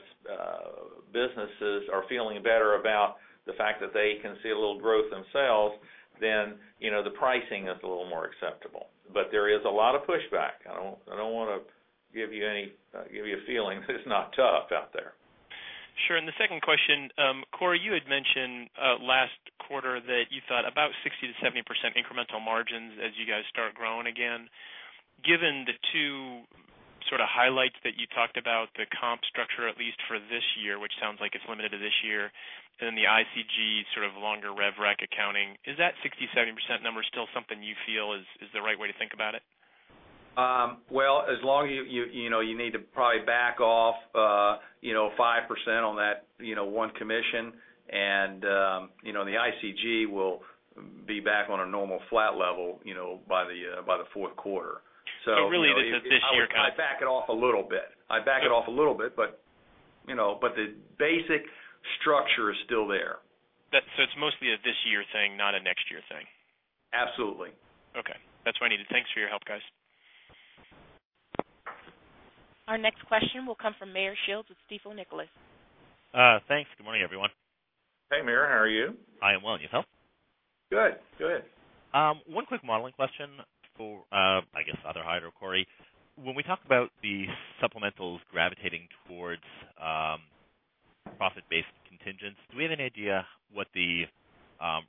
businesses are feeling better about the fact that they can see a little growth themselves, then the pricing is a little more acceptable. There is a lot of pushback. I don't want to give you a feeling that it's not tough out there. Sure. The second question, Cory, you had mentioned last quarter that you thought about 60%-70% incremental margins as you guys start growing again. Given the two sort of highlights that you talked about, the comp structure at least for this year, which sounds like it's limited to this year, and then the ICG sort of longer rev rec accounting, is that 60%, 70% number still something you feel is the right way to think about it? You need to probably back off 5% on that one commission, and the ICG will be back on a normal flat level by the fourth quarter. Really this is this year kind of thing I back it off a little bit. I back it off a little bit, but the basic structure is still there. It's mostly a this year thing, not a next year thing. Absolutely. Okay. That's what I needed. Thanks for your help, guys. Our next question will come from Meyer Shields with Stifel Nicolaus. Thanks. Good morning, everyone. Hey, Meyer. How are you? I am well. Yourself? Good. Go ahead. One quick modeling question for, I guess, either Hyatt or Cory. When we talk about the supplementals gravitating towards profit-based contingents, do we have any idea what the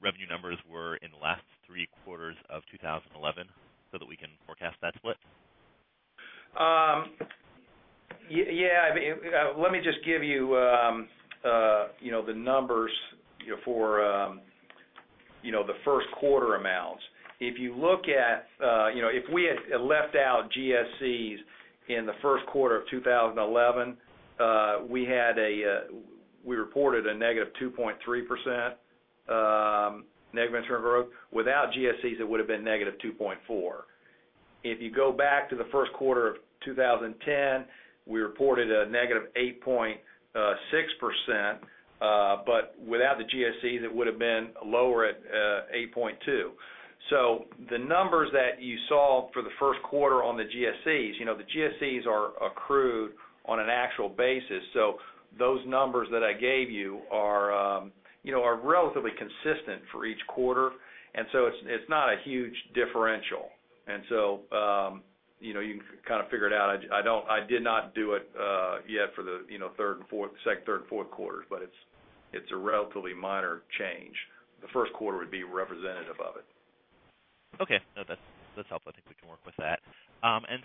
revenue numbers were in the last 3 quarters of 2011 so that we can forecast that split? Yeah. Let me just give you the numbers for the first quarter amounts. If we had left out GSCs in the first quarter of 2011, we reported a negative 2.3% negative internal growth. Without GSCs, it would've been negative 2.4%. If you go back to the first quarter of 2010, we reported a negative 8.6%. Without the GSCs, it would've been lower at 8.2%. The numbers that you saw for the first quarter on the GSCs, the GSCs are accrued on an actual basis. Those numbers that I gave you are relatively consistent for each quarter. It's not a huge differential. You can kind of figure it out. I did not do it yet for the second, third, and fourth quarters, but it's a relatively minor change. The first quarter would be representative of it. Okay. No, that's helpful. I think we can work with that.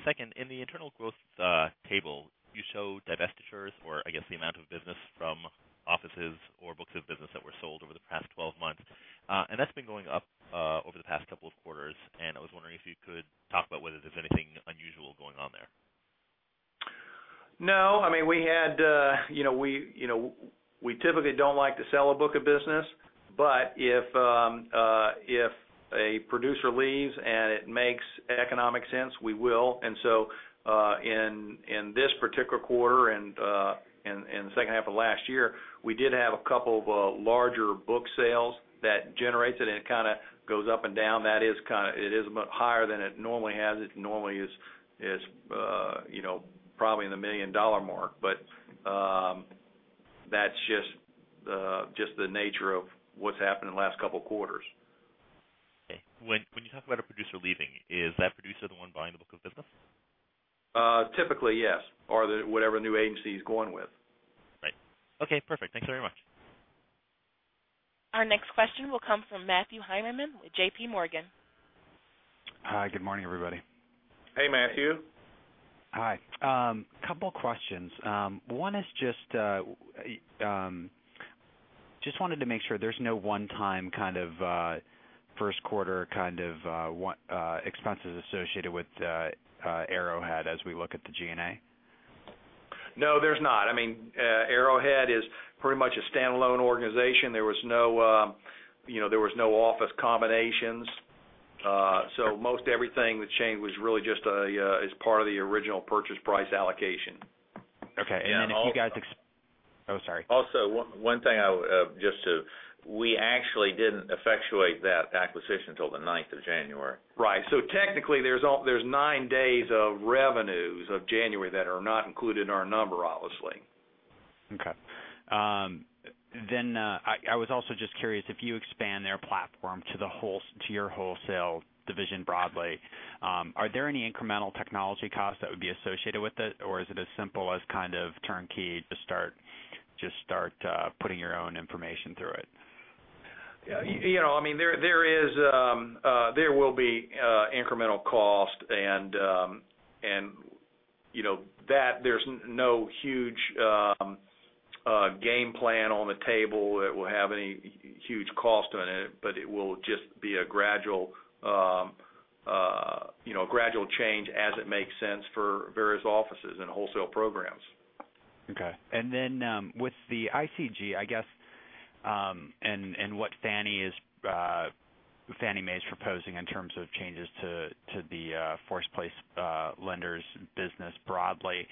Second, in the internal growth table, you show divestitures or I guess the amount of business from offices or books of business that were sold over the past 12 months. That's been going up, over the past couple of quarters. I was wondering if you could talk about whether there's anything unusual going on there. No. We typically don't like to sell a book of business, but if a producer leaves and it makes economic sense, we will. In this particular quarter and the second half of last year, we did have a couple of larger book sales that generates it and it kind of goes up and down. It is a bit higher than it normally is. It normally is probably in the million-dollar mark. That's just the nature of what's happened in the last couple of quarters. Okay. When you talk about a producer leaving, is that producer the one buying the book of business? Typically, yes. Whatever new agency he's going with. Right. Okay, perfect. Thanks very much. Our next question will come from Matthew Heimermann with JP Morgan. Hi. Good morning, everybody. Hey, Matthew. Hi. Couple questions. One is just wanted to make sure there's no one-time first quarter expenses associated with Arrowhead as we look at the G&A. No, there's not. Arrowhead is pretty much a standalone organization. There was no office combinations. Most everything that changed was really just as part of the original purchase price allocation. Okay. Oh, sorry. Also, one thing, we actually didn't effectuate that acquisition until the 9th of January. Right. Technically there's nine days of revenues of January that are not included in our number, obviously. Okay. I was also just curious, if you expand their platform to your wholesale division broadly, are there any incremental technology costs that would be associated with it, or is it as simple as kind of turnkey to just start putting your own information through it? There will be incremental cost and there's no huge game plan on the table that will have any huge cost on it, but it will just be a gradual change as it makes sense for various offices and wholesale programs. Okay. Then with the ICG, and what Fannie Mae is proposing in terms of changes to the force-placed lender's business broadly,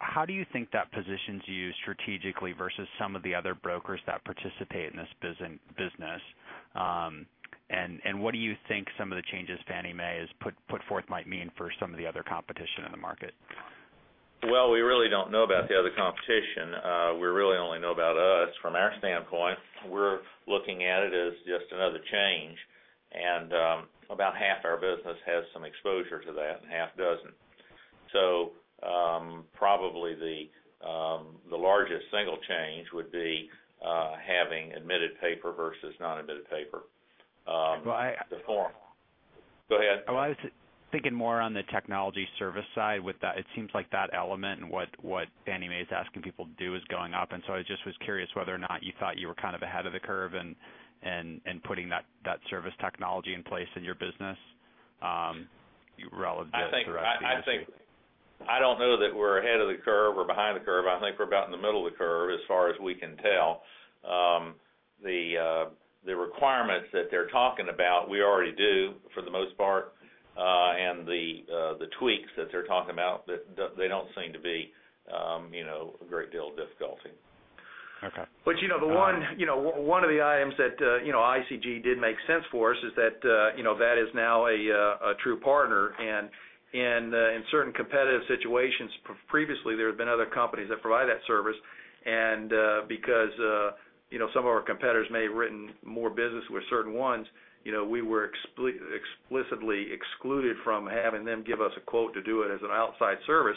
how do you think that positions you strategically versus some of the other brokers that participate in this business? What do you think some of the changes Fannie Mae has put forth might mean for some of the other competition in the market? Well, we really don't know about the other competition. We really only know about us from our standpoint. We're looking at it as just another change, and about half our business has some exposure to that and half doesn't. Probably the largest single change would be having admitted paper versus non-admitted paper. The form. Go ahead. I was thinking more on the technology service side with that. It seems like that element and what Fannie Mae is asking people to do is going up, and so I just was curious whether or not you thought you were kind of ahead of the curve in putting that service technology in place in your business relative to the rest of the industry. I don't know that we're ahead of the curve or behind the curve. I think we're about in the middle of the curve as far as we can tell. The requirements that they're talking about, we already do for the most part. The tweaks that they're talking about, they don't seem to be a great deal of difficulty. Okay. One of the items that ICG did make sense for us is that that is now a true partner. In certain competitive situations previously, there have been other companies that provide that service. Because some of our competitors may have written more business with certain ones, we were explicitly excluded from having them give us a quote to do it as an outside service.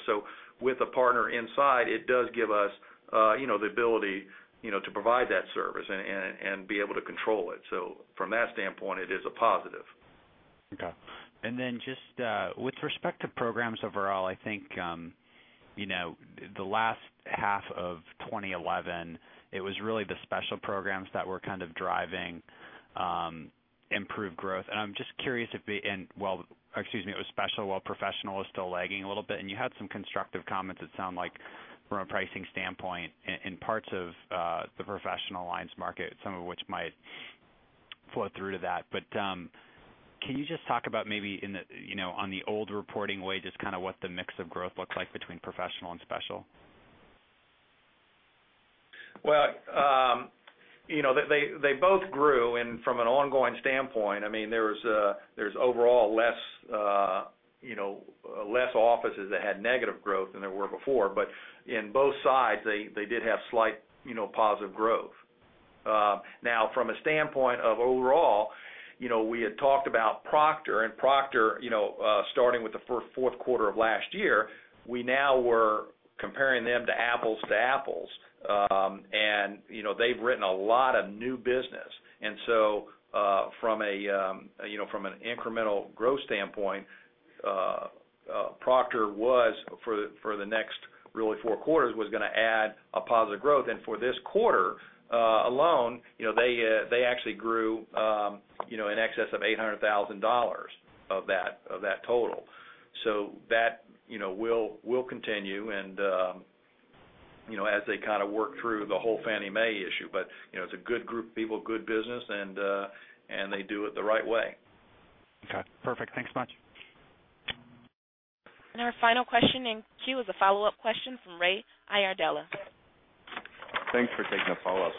With a partner inside, it does give us the ability to provide that service and be able to control it. From that standpoint, it is a positive. Okay. Just with respect to programs overall, I think the last half of 2011, it was really the special programs that were kind of driving improved growth. I'm just curious if the Excuse me. It was special while professional was still lagging a little bit, and you had some constructive comments, it sound like from a pricing standpoint in parts of the professional lines market, some of which might flow through to that. Can you just talk about maybe on the old reporting way, just kind of what the mix of growth looks like between professional and special? Well, they both grew, from an ongoing standpoint, there's overall less offices that had negative growth than there were before. In both sides, they did have slight positive growth. Now, from a standpoint of overall, we had talked about Proctor starting with the fourth quarter of last year, we now were comparing them to apples to apples. They've written a lot of new business. From an incremental growth standpoint, Proctor was for the next really four quarters, was going to add a positive growth. For this quarter alone they actually grew in excess of $800,000 of that total. That will continue, as they kind of work through the whole Fannie Mae issue. It's a good group of people, good business, and they do it the right way. Okay, perfect. Thanks much. Our final question in queue is a follow-up question from Ray Iardella. Thanks for taking the follow-up.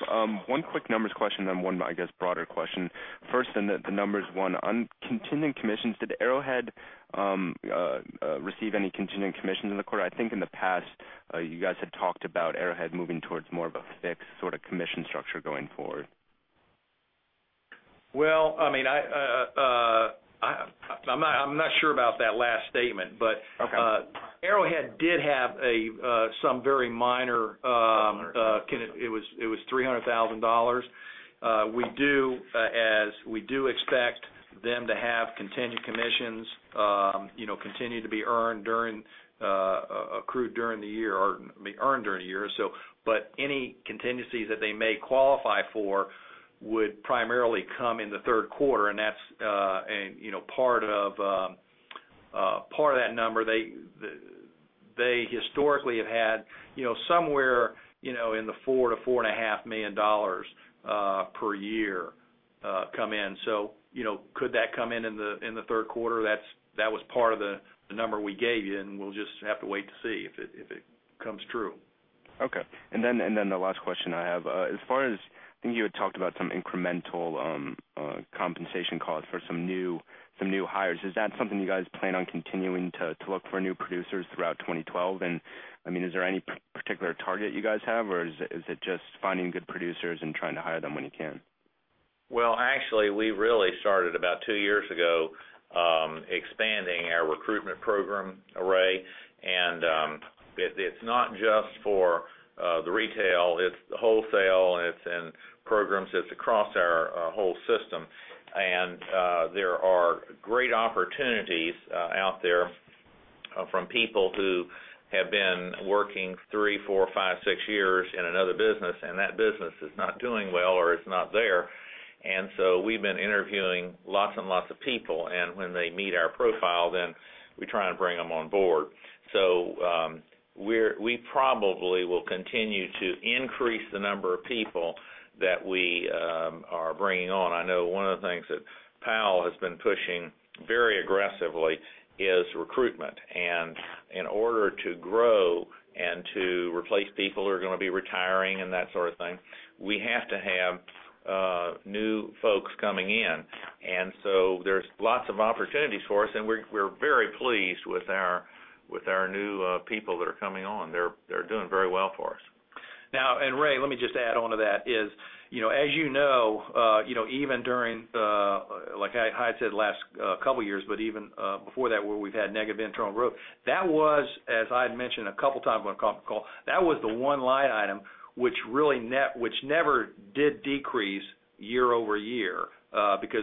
One quick numbers question, then one, I guess, broader question. First, in the numbers one, on continuing commissions, did Arrowhead receive any continuing commissions in the quarter? I think in the past, you guys had talked about Arrowhead moving towards more of a fixed sort of commission structure going forward. I'm not sure about that last statement. Okay Arrowhead did have some very minor, it was $300,000. We do expect them to have contingent commissions continue to be earned during, accrued during the year, or be earned during the year. Any contingencies that they may qualify for would primarily come in the third quarter, and that's part of that number. They historically have had somewhere in the $4 million-$4.5 million per year come in. Could that come in the third quarter? That was part of the number we gave you, and we'll just have to wait to see if it comes true. Okay. The last question I have. As far as, I think you had talked about some incremental compensation costs for some new hires. Is that something you guys plan on continuing to look for new producers throughout 2012? Is there any particular target you guys have, or is it just finding good producers and trying to hire them when you can? Well, actually, we really started about two years ago, expanding our recruitment program array, and it's not just for the retail, it's the wholesale, and it's in programs, it's across our whole system. There are great opportunities out there from people who have been working three, four, five, six years in another business, and that business is not doing well or it's not there. We've been interviewing lots and lots of people, and when they meet our profile, then we try and bring them on board. We probably will continue to increase the number of people that we are bringing on. I know one of the things that Powell has been pushing very aggressively is recruitment. In order to grow and to replace people who are going to be retiring and that sort of thing, we have to have new folks coming in. There's lots of opportunities for us, and we're very pleased with our new people that are coming on. They're doing very well for us. Ray, let me just add on to that is, as you know, even during, like Hyatt said, the last couple of years, but even before that, where we've had negative internal growth, that was, as I had mentioned a couple of times on a conference call, that was the one line item which never did decrease year-over-year.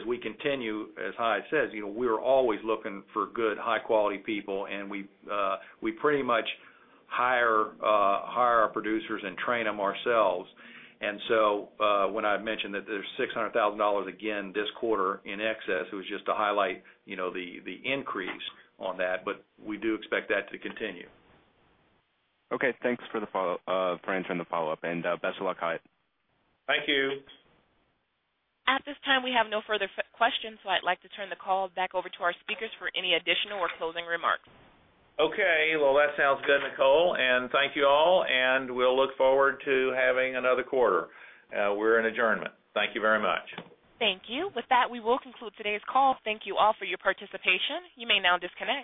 We continue, as Hyatt says, we're always looking for good, high-quality people, and we pretty much hire our producers and train them ourselves. When I mentioned that there's $600,000 again this quarter in excess, it was just to highlight the increase on that. We do expect that to continue. Okay, thanks for answering the follow-up, and best of luck, Hyatt. Thank you. At this time, we have no further questions, so I'd like to turn the call back over to our speakers for any additional or closing remarks. Okay. Well, that sounds good, Nicole, and thank you all, and we'll look forward to having another quarter. We're in adjournment. Thank you very much. Thank you. With that, we will conclude today's call. Thank you all for your participation. You may now disconnect.